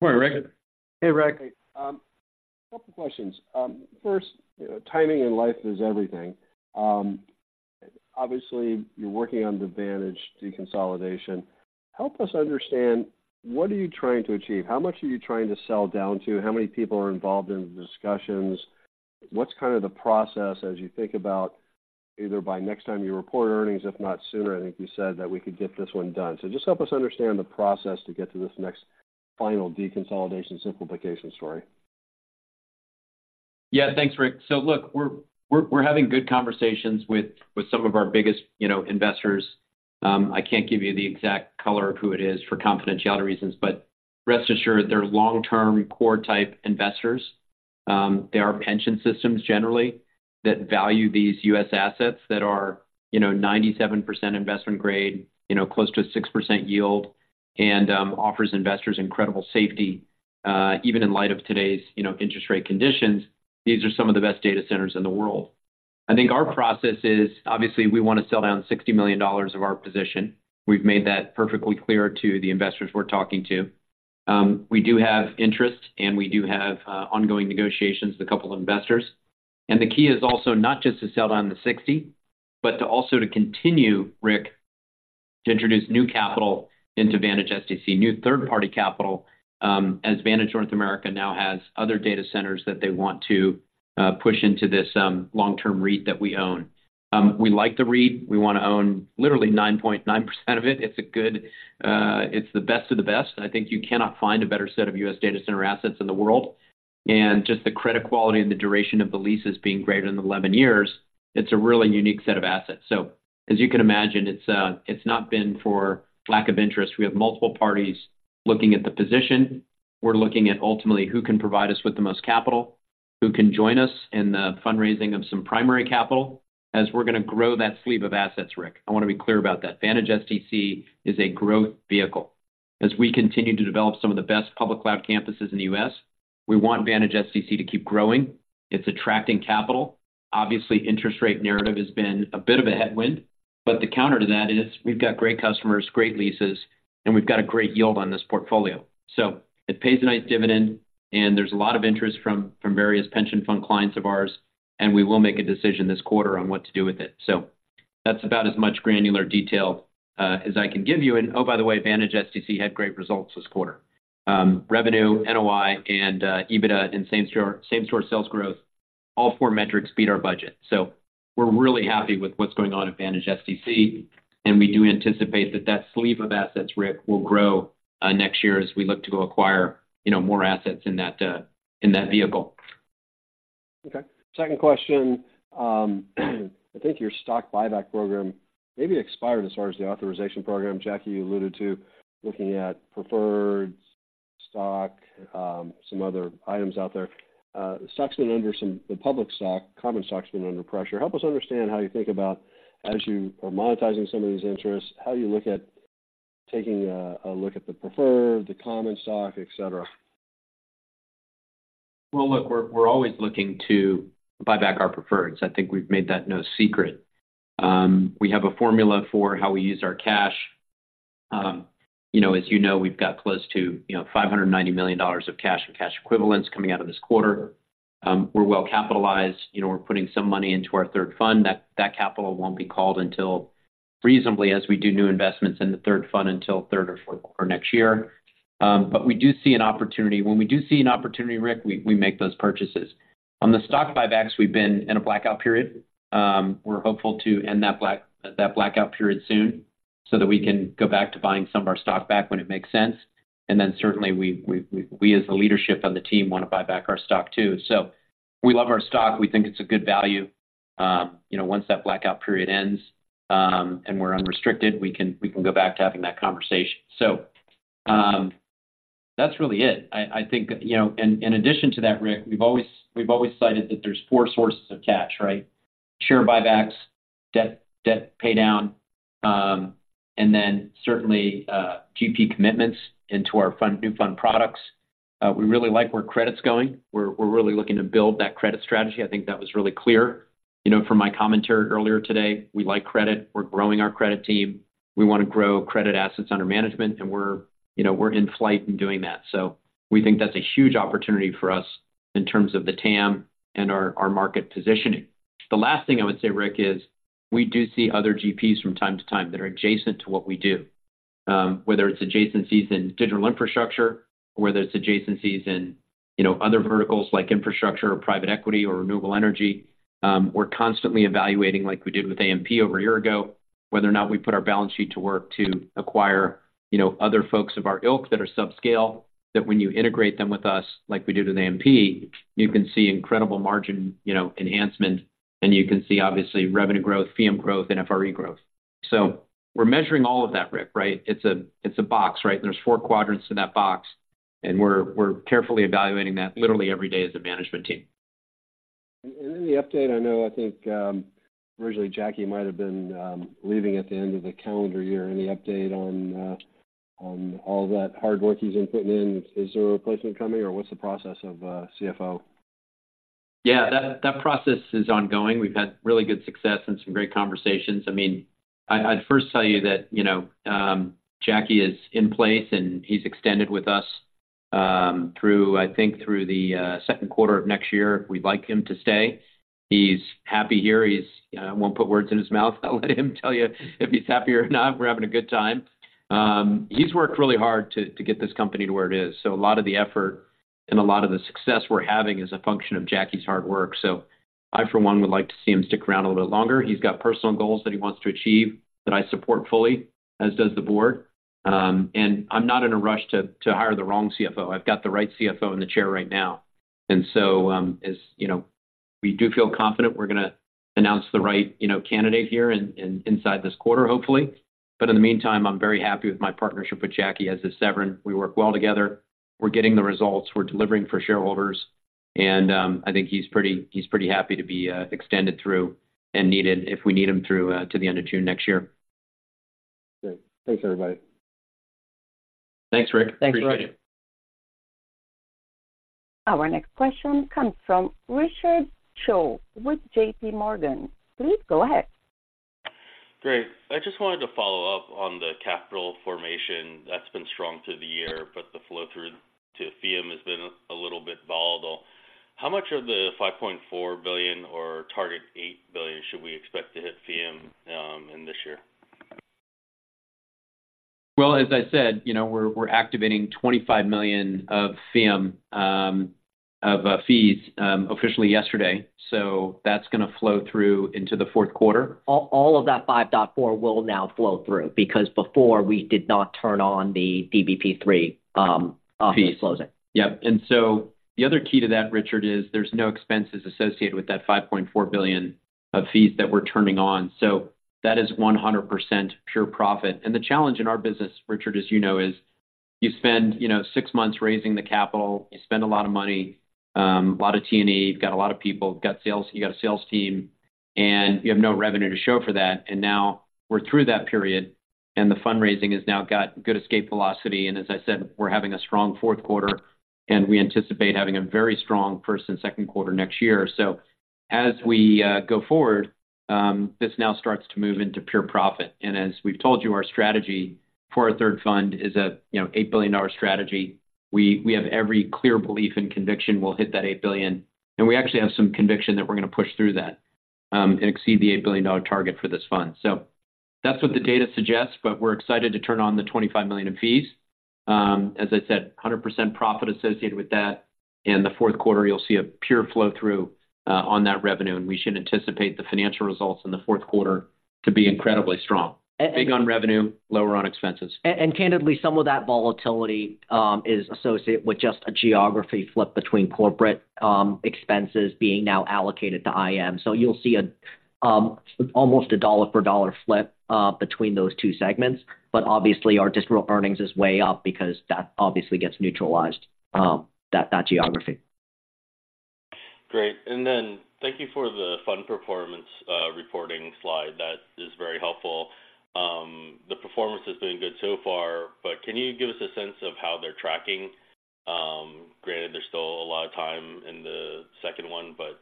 Good morning, Ric. Hey, Ric. Couple questions. First, you know, timing in life is everything. Obviously, you're working on the Vantage deconsolidation. Help us understand, what are you trying to achieve? How much are you trying to sell down to? How many people are involved in the discussions? What's kind of the process as you think about either by next time you report earnings, if not sooner, I think you said, that we could get this one done. So just help us understand the process to get to this next final deconsolidation simplification story. Yeah. Thanks, Ric. So look, we're having good conversations with some of our biggest, you know, investors. I can't give you the exact color of who it is for confidentiality reasons, but rest assured, they're long-term core-type investors. They are pension systems generally, that value these U.S. assets that are, you know, 97% investment grade, you know, close to a 6% yield, and offers investors incredible safety, even in light of today's, you know, interest rate conditions. These are some of the best data centers in the world. I think our process is, obviously, we want to sell down $60 million of our position. We've made that perfectly clear to the investors we're talking to. We do have interest, and we do have ongoing negotiations with a couple of investors. The key is also not just to sell down the 60, but also to continue, Ric, to introduce new capital into Vantage SDC, new third-party capital, as Vantage North America now has other data centers that they want to push into this long-term REIT that we own. We like the REIT. We want to own literally 9.9% of it. It's a good... It's the best of the best. I think you cannot find a better set of U.S. data center assets in the world. And just the credit quality and the duration of the leases being greater than 11 years, it's a really unique set of assets. So as you can imagine, it's not been for lack of interest. We have multiple parties looking at the position. We're looking at, ultimately, who can provide us with the most capital, who can join us in the fundraising of some primary capital, as we're gonna grow that sleeve of assets, Ric. I want to be clear about that. Vantage SDC is a growth vehicle. As we continue to develop some of the best public cloud campuses in the U.S., we want Vantage SDC to keep growing. It's attracting capital. Obviously, interest rate narrative has been a bit of a headwind, but the counter to that is we've got great customers, great leases, and we've got a great yield on this portfolio. So it pays a nice dividend, and there's a lot of interest from various pension fund clients of ours, and we will make a decision this quarter on what to do with it. So that's about as much granular detail as I can give you. Oh, by the way, Vantage SDC had great results this quarter. Revenue, NOI and EBITDA and same-store sales growth, all four metrics beat our budget. So we're really happy with what's going on at Vantage SDC, and we do anticipate that that sleeve of assets, Ric, will grow next year as we look to acquire, you know, more assets in that in that vehicle. Okay. Second question. I think your stock buyback program maybe expired as far as the authorization program. Jacky, you alluded to looking at preferred stock, some other items out there. The stock's been under some... The public stock, common stock's been under pressure. Help us understand how you think about, as you are monetizing some of these interests, how you look at taking a look at the preferred, the common stock, et cetera. Well, look, we're always looking to buy back our preferreds. I think we've made that no secret. We have a formula for how we use our cash. You know, as you know, we've got close to $590 million of cash and cash equivalents coming out of this quarter. We're well capitalized. You know, we're putting some money into our third fund. That capital won't be called until reasonably, as we do new investments in the third fund, until third or fourth or next year. But we do see an opportunity. When we do see an opportunity, Ric, we make those purchases. On the stock buybacks, we've been in a blackout period. We're hopeful to end that blackout period soon, so that we can go back to buying some of our stock back when it makes sense. And then certainly we, as the leadership on the team, want to buy back our stock, too. So we love our stock. We think it's a good value. You know, once that blackout period ends, and we're unrestricted, we can go back to having that conversation. So, that's really it. I think, you know, in addition to that, Ric, we've always cited that there's four sources of cash, right? Share buybacks, debt, debt pay down, and then certainly, GP commitments into our fund, new fund products. We really like where credit's going. We're really looking to build that credit strategy. I think that was really clear. You know, from my commentary earlier today, we like credit. We're growing our credit team. We wanna grow credit assets under management, and we're, you know, we're in flight in doing that. So we think that's a huge opportunity for us in terms of the TAM and our, our market positioning. The last thing I would say, Ric, is we do see other GPs from time to time that are adjacent to what we do. Whether it's adjacencies in digital infrastructure, or whether it's adjacencies in, you know, other verticals like infrastructure or private equity or renewable energy. We're constantly evaluating, like we did with AMP over a year ago, whether or not we put our balance sheet to work to acquire, you know, other folks of our ilk that are subscale, that when you integrate them with us, like we did with AMP, you can see incredible margin, you know, enhancement, and you can see, obviously, revenue growth, fee growth, and FRE growth. So we're measuring all of that, Ric, right? It's a box, right? There's four quadrants to that box, and we're carefully evaluating that literally every day as a management team. Any update, I know I think, originally Jacky might have been leaving at the end of the calendar year. Any update on, on all that hard work he's been putting in? Is there a replacement coming, or what's the process of CFO? Yeah, that process is ongoing. We've had really good success and some great conversations. I mean, I'd first tell you that, you know, Jacky is in place, and he's extended with us through, I think, the second quarter of next year. We'd like him to stay. He's happy here. He's... I won't put words in his mouth. I'll let him tell you if he's happy or not. We're having a good time. He's worked really hard to get this company to where it is, so a lot of the effort and a lot of the success we're having is a function of Jacky's hard work, so I, for one, would like to see him stick around a little bit longer. He's got personal goals that he wants to achieve, that I support fully, as does the board. I'm not in a rush to hire the wrong CFO. I've got the right CFO in the chair right now. As you know, we do feel confident we're gonna announce the right, you know, candidate here inside this quarter, hopefully. But in the meantime, I'm very happy with my partnership with Jacky, as is Severin. We work well together. We're getting the results. We're delivering for shareholders, and I think he's pretty happy to be extended through and needed if we need him through to the end of June next year. Great. Thanks, everybody. Thanks, Ric. Thanks, Ric. Appreciate it. Our next question comes from Richard Shane with JPMorgan. Please go ahead. Great. I just wanted to follow up on the capital formation. That's been strong through the year, but the flow-through to fee has been a little bit volatile. How much of the $5.4 billion or target $8 billion should we expect to hit fee in, in this year? Well, as I said, you know, we're activating $25 million of fees officially yesterday, so that's gonna flow through into the fourth quarter. All, all of that $5.4 will now flow through, because before, we did not turn on the DBP III closing. Yep. And so the other key to that, Richard, is there's no expenses associated with that $5.4 billion of fees that we're turning on, so that is 100% pure profit. And the challenge in our business, Richard, as you know, is you spend, you know, six months raising the capital. You spend a lot of money, a lot of T&E. You've got a lot of people. You've got sales. You got a sales team, and you have no revenue to show for that. And now we're through that period, and the fundraising has now got good escape velocity, and as I said, we're having a strong fourth quarter, and we anticipate having a very strong first and second quarter next year. So as we go forward, this now starts to move into pure profit. As we've told you, our strategy for our third fund is a, you know, $8 billion strategy. We have every clear belief and conviction we'll hit that $8 billion, and we actually have some conviction that we're gonna push through that and exceed the $8 billion dollar target for this fund. So that's what the data suggests, but we're excited to turn on the $25 million in fees. As I said, 100% profit associated with that. In the fourth quarter, you'll see a pure flow-through on that revenue, and we should anticipate the financial results in the fourth quarter to be incredibly strong. Big on revenue, lower on expenses. Candidly, some of that volatility is associated with just a geography flip between corporate expenses being now allocated to IM. So you'll see almost a dollar-for-dollar flip between those two segments, but obviously, our distributable earnings is way up because that obviously gets neutralized, that geography. Great. Thank you for the fund performance reporting slide. That is very helpful. The performance has been good so far, but can you give us a sense of how they're tracking? Granted, there's still a lot of time in the second one, but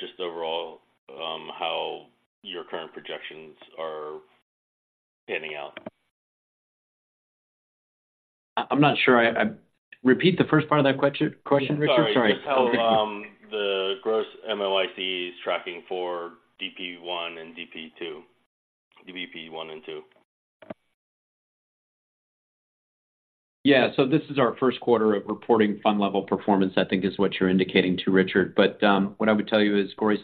just overall, how your current projections are panning out? I'm not sure. Repeat the first part of that question, Richard? Sorry. Sorry. Just how the gross MOIC is tracking for DP 1 and DP 2, DBP 1 and 2? Yeah. So this is our first quarter of reporting fund level performance, I think is what you're indicating to, Richard. But what I would tell you is gross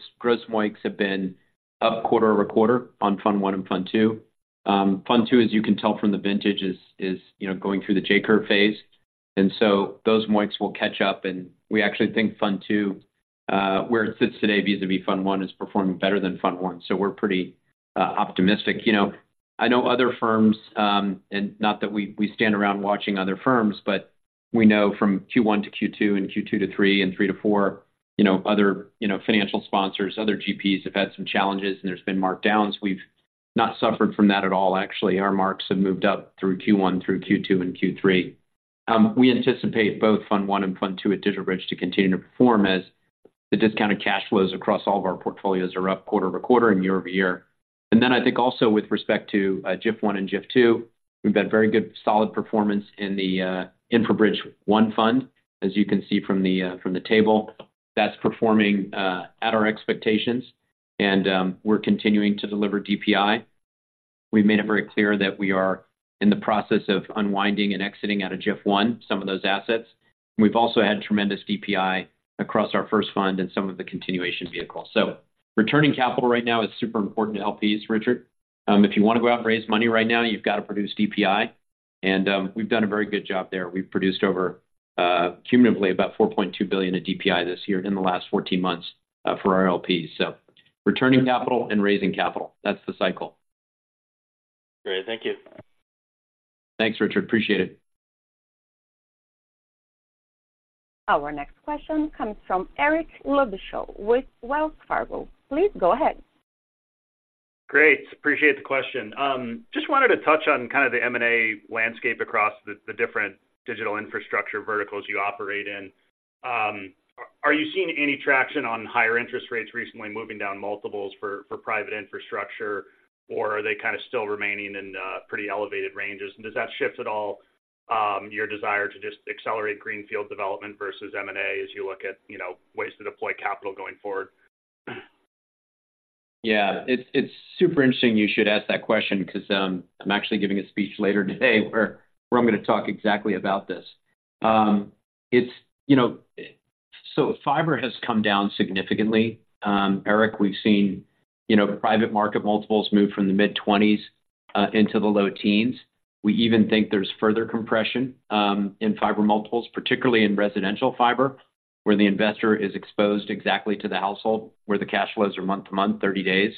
MOICs have been up quarter-over-quarter on fund one and fund two. Fund two, as you can tell from the vintage, is you know, going through the J-Curve phase. And so those MOICs will catch up, and we actually think Fund II, where it sits today vis-à-vis Fund I, is performing better than Fund I. So we're pretty optimistic. You know, I know other firms, and not that we stand around watching other firms, but we know from Q1 to Q2 and Q2 to Q3 and Q3 to Q4, you know, other financial sponsors, other GPs have had some challenges, and there's been markdowns. We've not suffered from that at all actually. Our marks have moved up through Q1, through Q2 and Q3. We anticipate both Fund I and Fund II at DigitalBridge to continue to perform as the discounted cash flows across all of our portfolios are up quarter-over-quarter and year-over-year. Then I think also with respect to GIF 1 and GIF 2, we've had very good solid performance in the InfraBridge 1 fund. As you can see from the from the table, that's performing at our expectations, and we're continuing to deliver DPI. We've made it very clear that we are in the process of unwinding and exiting out of GIF 1, some of those assets. We've also had tremendous DPI across our first fund and some of the continuation vehicles. So returning capital right now is super important to LPs, Richard. If you want to go out and raise money right now, you've got to produce DPI, and we've done a very good job there. We've produced over, cumulatively, about $4.2 billion of DPI this year in the last 14 months, for our LPs. So returning capital and raising capital, that's the cycle. Great. Thank you. Thanks, Richard. Appreciate it. Our next question comes from Eric Luebchow with Wells Fargo. Please go ahead. Great. Appreciate the question. Just wanted to touch on kind of the M&A landscape across the different digital infrastructure verticals you operate in. Are you seeing any traction on higher interest rates recently, moving down multiples for private infrastructure? Or are they kind of still remaining in pretty elevated ranges? And does that shift at all your desire to just accelerate greenfield development versus M&A as you look at, you know, ways to deploy capital going forward? Yeah, it's super interesting you should ask that question because I'm actually giving a speech later today where I'm going to talk exactly about this. It's, you know, so fiber has come down significantly. Eric, we've seen, you know, private market multiples move from the mid-20s into the low teens. We even think there's further compression in fiber multiples, particularly in residential fiber, where the investor is exposed exactly to the household, where the cash flows are month to month, 30 days.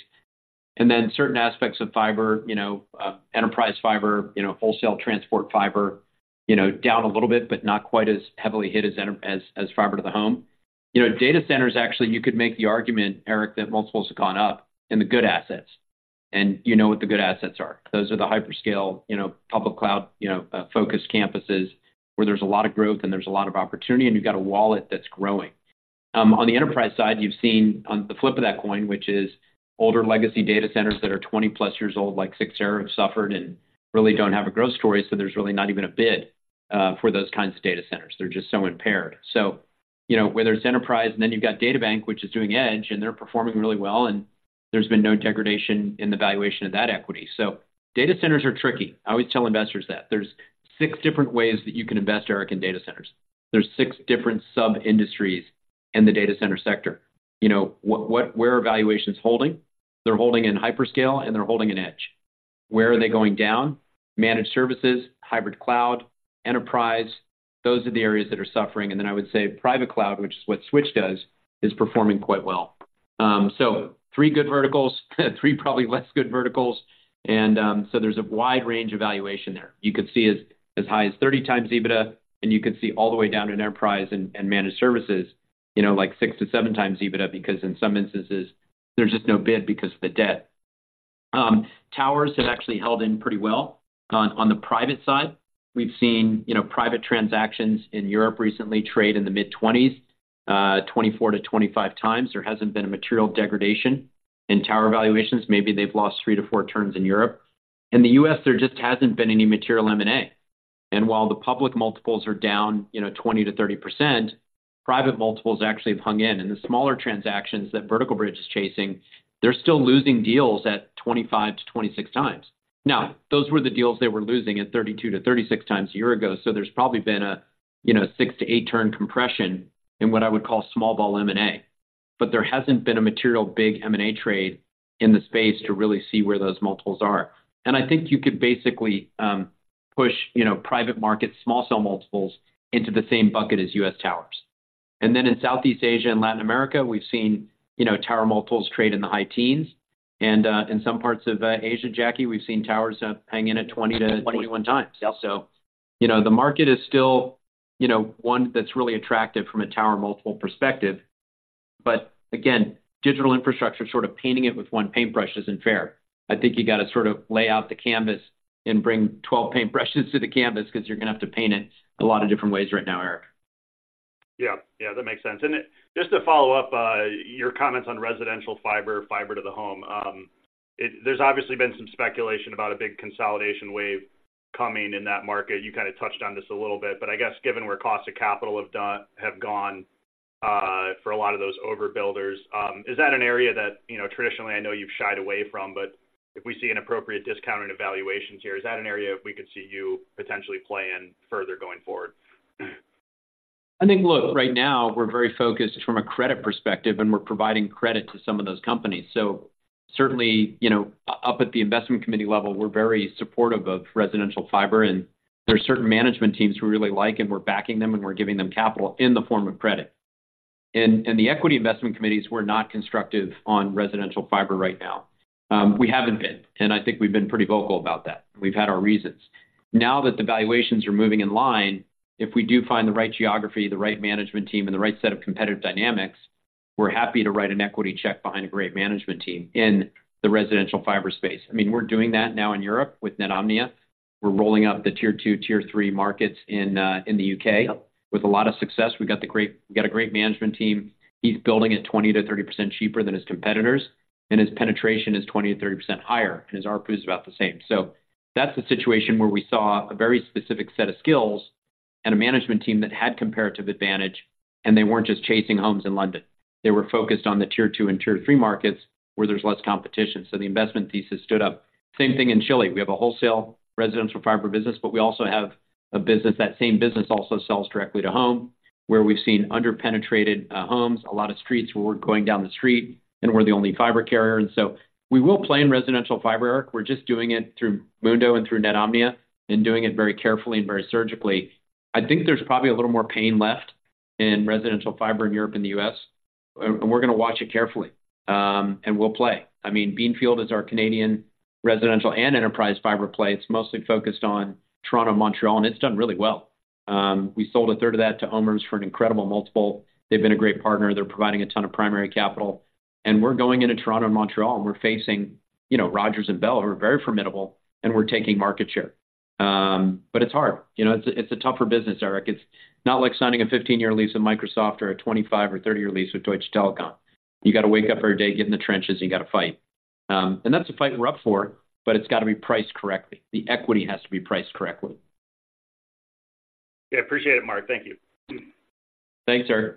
And then certain aspects of fiber, you know, enterprise fiber, you know, wholesale transport fiber, you know, down a little bit, but not quite as heavily hit as fiber to the home. You know, data centers, actually, you could make the argument, Eric, that multiples have gone up in the good assets, and you know what the good assets are. Those are the hyperscale, you know, public cloud, you know, focused campuses where there's a lot of growth and there's a lot of opportunity, and you've got a wallet that's growing. On the enterprise side, you've seen on the flip of that coin, which is older legacy data centers that are 20+ years old, like Cyxtera, have suffered and really don't have a growth story, so there's really not even a bid for those kinds of data centers. They're just so impaired. So, you know, where there's enterprise, and then you've got DataBank, which is doing edge, and they're performing really well, and there's been no degradation in the valuation of that equity. So data centers are tricky. I always tell investors that. There's six different ways that you can invest, Eric, in data centers. There's six different sub-industries in the data center sector. You know, where are valuations holding? They're holding in hyperscale, and they're holding in Edge. Where are they going down? Managed services, hybrid cloud, enterprise, those are the areas that are suffering. And then I would say private cloud, which is what Switch does, is performing quite well. So three good verticals, three probably less good verticals, and so there's a wide range of valuation there. You could see as high as 30x EBITDA, and you could see all the way down to enterprise and managed services, you know, like 6x-7x EBITDA, because in some instances there's just no bid because of the debt. Towers have actually held in pretty well. On, on the private side, we've seen, you know, private transactions in Europe recently trade in the mid-20s, 24-25x. There hasn't been a material degradation in tower valuations. Maybe they've lost three to four turns in Europe. In the U.S., there just hasn't been any material M&A. And while the public multiples are down, you know, 20%-30%, private multiples actually have hung in. In the smaller transactions that Vertical Bridge is chasing, they're still losing deals at 25-26x. Now, those were the deals they were losing at 32x-36x a year ago, so there's probably been a, you know, 6-8 turn compression in what I would call small ball M&A, but there hasn't been a material big M&A trade in the space to really see where those multiples are. And I think you could basically push, you know, private markets, small cell multiples, into the same bucket as U.S. towers. And then in Southeast Asia and Latin America, we've seen, you know, tower multiples trade in the high teens. And in some parts of Asia, Jacky, we've seen towers hang in at 20x-21x. So, you know, the market is still, you know, one that's really attractive from a tower multiple perspective. But again, digital infrastructure, sort of painting it with one paintbrush isn't fair. I think you got to sort of lay out the canvas and bring 12 paintbrushes to the canvas because you're going to have to paint it a lot of different ways right now, Eric. Yeah. Yeah, that makes sense. Then just to follow up, your comments on residential fiber, fiber to the home. There's obviously been some speculation about a big consolidation wave coming in that market. You kind of touched on this a little bit, but I guess given where costs of capital have gone, for a lot of those overbuilders, is that an area that, you know, traditionally I know you've shied away from, but if we see an appropriate discount in evaluations here, is that an area we could see you potentially play in further going forward? ... I think, look, right now, we're very focused from a credit perspective, and we're providing credit to some of those companies. So certainly, you know, up at the investment committee level, we're very supportive of residential fiber, and there are certain management teams we really like, and we're backing them, and we're giving them capital in the form of credit. And the equity investment committees were not constructive on residential fiber right now. We haven't been, and I think we've been pretty vocal about that. We've had our reasons. Now that the valuations are moving in line, if we do find the right geography, the right management team, and the right set of competitive dynamics, we're happy to write an equity check behind a great management team in the residential fiber space. I mean, we're doing that now in Europe with Netomnia. We're rolling out the tier two, tier three markets in, in the U.K. with a lot of success. We've got a great, we've got a great management team. He's building it 20%-30% cheaper than his competitors, and his penetration is 20%-30% higher, and his ARPU is about the same. So that's the situation where we saw a very specific set of skills and a management team that had comparative advantage, and they weren't just chasing homes in London. They were focused on the tier two and tier three markets, where there's less competition, so the investment thesis stood up. Same thing in Chile. We have a wholesale residential fiber business, but we also have a business. That same business also sells directly to home, where we've seen under-penetrated homes, a lot of streets, where we're going down the street, and we're the only fiber carrier. And so we will play in residential fiber, Eric. We're just doing it through Mundo and through Netomnia, and doing it very carefully and very surgically. I think there's probably a little more pain left in residential fiber in Europe and the U.S., and we're going to watch it carefully. And we'll play. I mean, Beanfield is our Canadian residential and enterprise fiber play. It's mostly focused on Toronto, Montreal, and it's done really well. We sold a third of that to OMERS for an incredible multiple. They've been a great partner. They're providing a ton of primary capital, and we're going into Toronto and Montreal, and we're facing, you know, Rogers and Bell, who are very formidable, and we're taking market share. But it's hard. You know, it's a tougher business, Eric. It's not like signing a 15-year lease with Microsoft or a 25- or 30-year lease with Deutsche Telekom. You got to wake up every day, get in the trenches, and you got to fight. And that's a fight we're up for, but it's got to be priced correctly. The equity has to be priced correctly. Yeah, appreciate it, Marc. Thank you. Thanks, Eric.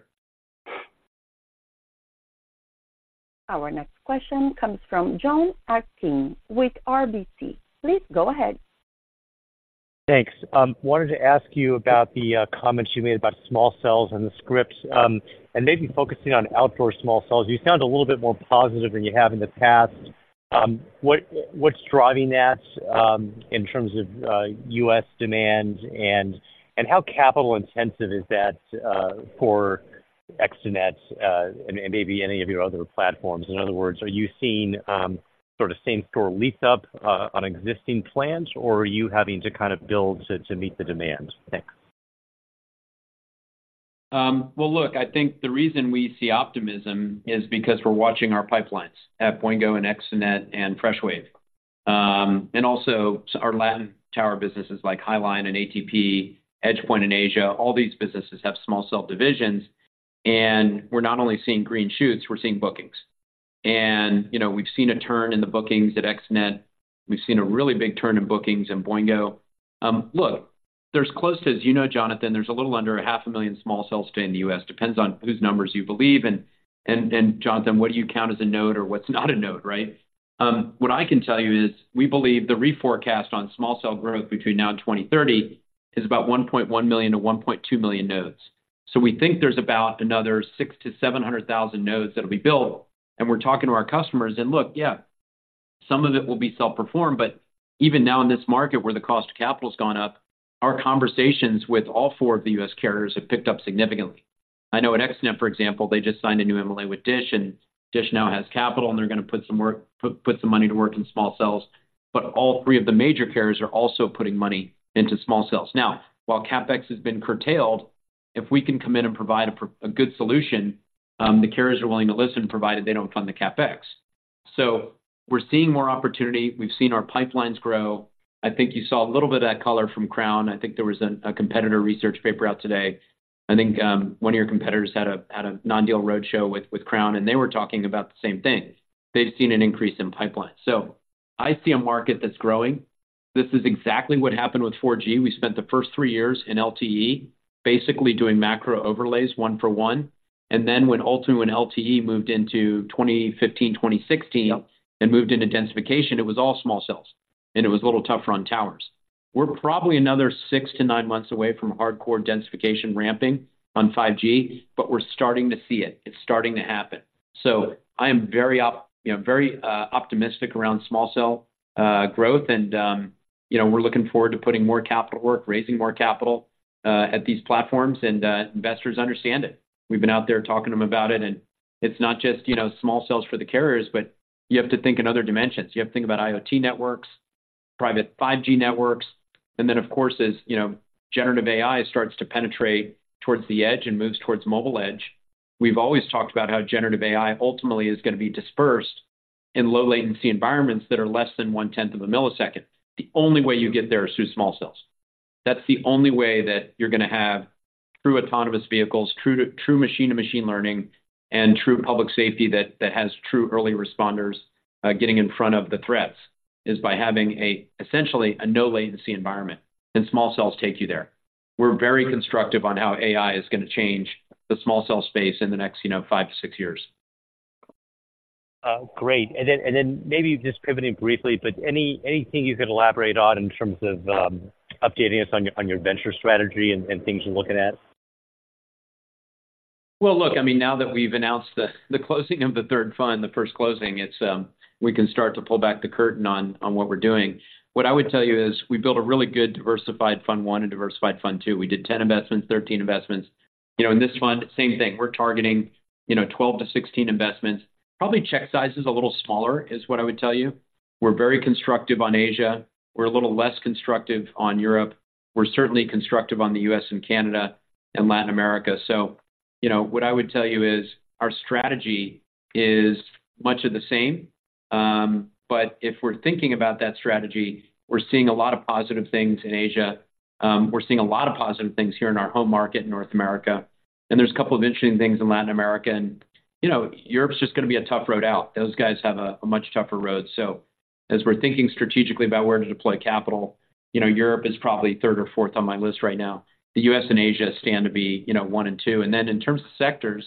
Our next question comes from Jonathan Atkin with RBC. Please go ahead. Thanks. Wanted to ask you about the comments you made about small cells and DAS. And maybe focusing on outdoor small cells. You sound a little bit more positive than you have in the past. What, what's driving that, in terms of U.S. demand? And how capital intensive is that, for Extenet, and maybe any of your other platforms? In other words, are you seeing sort of same-store lease-up, on existing plans, or are you having to kind of build to meet the demand? Thanks. Well, look, I think the reason we see optimism is because we're watching our pipelines at Boingo and Extenet and Freshwave. And also our Latin Tower businesses like Highline and ATP, EdgePoint in Asia. All these businesses have small cell divisions, and we're not only seeing green shoots, we're seeing bookings. And, you know, we've seen a turn in the bookings at Extenet. We've seen a really big turn in bookings in Boingo. Look, there's close to... As you know, Jonathan, there's a little under 500,000 small cells today in the U.S. Depends on whose numbers you believe. And Jonathan, what do you count as a node or what's not a node, right? What I can tell you is we believe the reforecast on small cell growth between now and 2030 is about 1.1 million-1.2 million nodes. So we think there's about another 600,000-700,000 nodes that will be built, and we're talking to our customers. And look, yeah, some of it will be self-performed, but even now in this market, where the cost of capital has gone up, our conversations with all four of the U.S. carriers have picked up significantly. I know at Extenet, for example, they just signed a new MLA with Dish, and Dish now has capital, and they're going to put some money to work in small cells. But all three of the major carriers are also putting money into small cells. Now, while CapEx has been curtailed, if we can come in and provide a good solution, the carriers are willing to listen, provided they don't fund the CapEx. So we're seeing more opportunity. We've seen our pipelines grow. I think you saw a little bit of that color from Crown. I think there was a competitor research paper out today. I think one of your competitors had a non-deal roadshow with Crown, and they were talking about the same thing. They've seen an increase in pipeline. So I see a market that's growing. This is exactly what happened with 4G. We spent the first three years in LTE, basically doing macro overlays, one for one, and then when ultimately LTE moved into 2015, 2016, and moved into densification, it was all small cells, and it was a little tougher on towers. We're probably another six to nine months away from hardcore densification ramping on 5G, but we're starting to see it. It's starting to happen. So I am very optimistic, you know, very optimistic around small cell growth, and, you know, we're looking forward to putting more capital to work, raising more capital at these platforms, and investors understand it. We've been out there talking to them about it, and it's not just, you know, small cells for the carriers, but you have to think in other dimensions. You have to think about IoT networks, private 5G networks, and then, of course, as you know, generative AI starts to penetrate towards the edge and moves towards mobile edge. We've always talked about how generative AI ultimately is going to be dispersed in low latency environments that are less than one-tenth of a millisecond. The only way you get there is through small cells. That's the only way that you're going to have true autonomous vehicles, true machine to machine learning, and true public safety that has true early responders getting in front of the threats, is by having essentially a no latency environment, and small cells take you there. We're very constructive on how AI is going to change the small cell space in the next, you know, five to six years.... Great. And then maybe just pivoting briefly, but anything you could elaborate on in terms of updating us on your venture strategy and things you're looking at? Well, look, I mean, now that we've announced the closing of the third fund, the first closing, it's we can start to pull back the curtain on what we're doing. What I would tell you is, we built a really good diversified fund one and diversified fund two. We did 10 investments, 13 investments. You know, in this fund, same thing. We're targeting, you know, 12-16 investments. Probably check size is a little smaller, is what I would tell you. We're very constructive on Asia. We're a little less constructive on Europe. We're certainly constructive on the U.S. and Canada and Latin America. So, you know, what I would tell you is, our strategy is much of the same. But if we're thinking about that strategy, we're seeing a lot of positive things in Asia. We're seeing a lot of positive things here in our home market, in North America. And there's a couple of interesting things in Latin America. And, you know, Europe's just gonna be a tough road out. Those guys have a much tougher road. So as we're thinking strategically about where to deploy capital, you know, Europe is probably third or fourth on my list right now. The U.S. and Asia stand to be, you know, one and two. And then, in terms of sectors,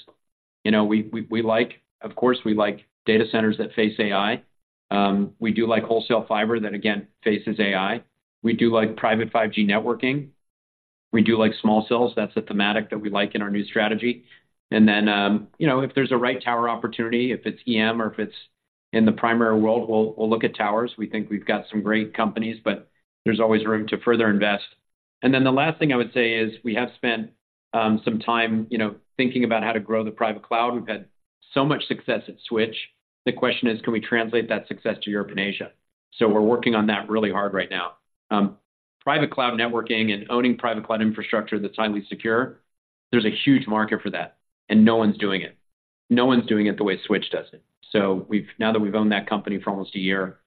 you know, we like—of course, we like data centers that face AI. We do like wholesale fiber that, again, faces AI. We do like private 5G networking. We do like small cells. That's a thematic that we like in our new strategy. And then, you know, if there's a right tower opportunity, if it's EM or if it's in the primary world, we'll, we'll look at towers. We think we've got some great companies, but there's always room to further invest. And then the last thing I would say is, we have spent, some time you know, thinking about how to grow the private cloud. We've had so much success at Switch. The question is: Can we translate that success to Europe and Asia? So we're working on that really hard right now. Private cloud networking and owning private cloud infrastructure that's highly secure, there's a huge market for that, and no one's doing it. No one's doing it the way Switch does it. So we've now that we've owned that company for almost a year,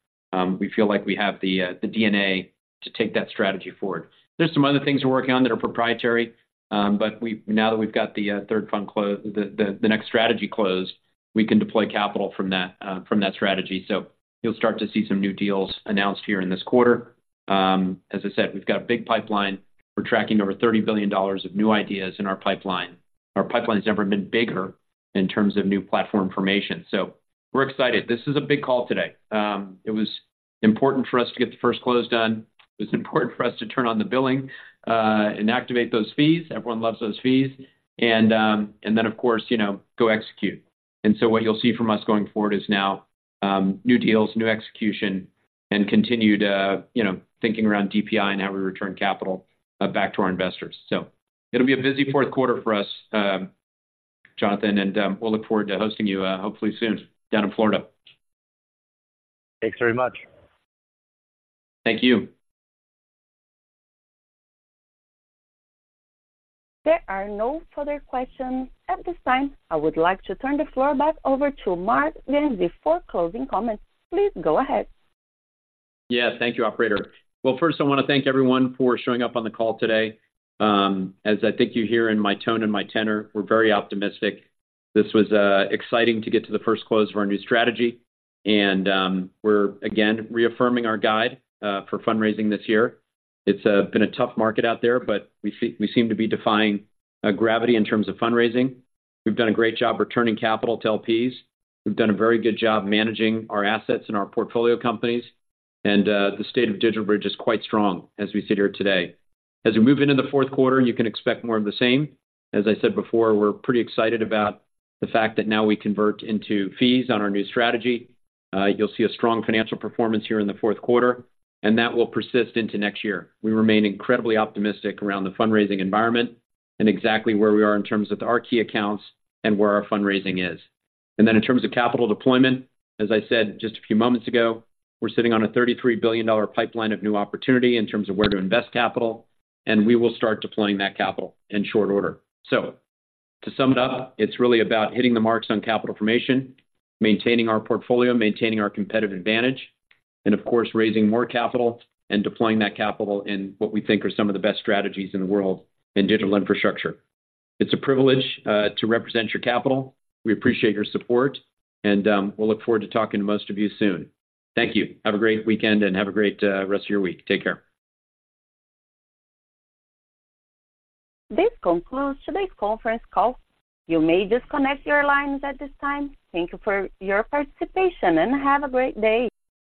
we feel like we have the, the DNA to take that strategy forward. There's some other things we're working on that are proprietary, but now that we've got the, the, the next strategy closed, we can deploy capital from that, from that strategy. So you'll start to see some new deals announced here in this quarter. As I said, we've got a big pipeline. We're tracking over $30 billion of new ideas in our pipeline. Our pipeline's never been bigger in terms of new platform formation, so we're excited. This is a big call today. It was important for us to get the first close done. It was important for us to turn on the billing, and activate those fees. Everyone loves those fees. And then, of course, you know, go execute. So what you'll see from us going forward is now new deals, new execution, and continued you know thinking around DPI and how we return capital back to our investors. So it'll be a busy fourth quarter for us, Jonathan, and we'll look forward to hosting you hopefully soon down in Florida. Thanks very much. Thank you. There are no further questions at this time. I would like to turn the floor back over to Marc Ganzi for closing comments. Please go ahead. Yeah. Thank you, operator. Well, first, I want to thank everyone for showing up on the call today. As I think you hear in my tone and my tenor, we're very optimistic. This was exciting to get to the first close of our new strategy, and we're again reaffirming our guide for fundraising this year. It's been a tough market out there, but we seem to be defying gravity in terms of fundraising. We've done a great job returning capital to LPs. We've done a very good job managing our assets and our portfolio companies, and the state of DigitalBridge is quite strong as we sit here today. As we move into the fourth quarter, you can expect more of the same. As I said before, we're pretty excited about the fact that now we convert into fees on our new strategy. You'll see a strong financial performance here in the fourth quarter, and that will persist into next year. We remain incredibly optimistic around the fundraising environment and exactly where we are in terms of our key accounts and where our fundraising is. And then, in terms of capital deployment, as I said just a few moments ago, we're sitting on a $33 billion pipeline of new opportunity in terms of where to invest capital, and we will start deploying that capital in short order. To sum it up, it's really about hitting the marks on capital formation, maintaining our portfolio, maintaining our competitive advantage, and of course, raising more capital and deploying that capital in what we think are some of the best strategies in the world in digital infrastructure. It's a privilege to represent your capital. We appreciate your support, and we'll look forward to talking to most of you soon. Thank you. Have a great weekend, and have a great rest of your week. Take care. This concludes today's conference call. You may disconnect your lines at this time. Thank you for your participation, and have a great day.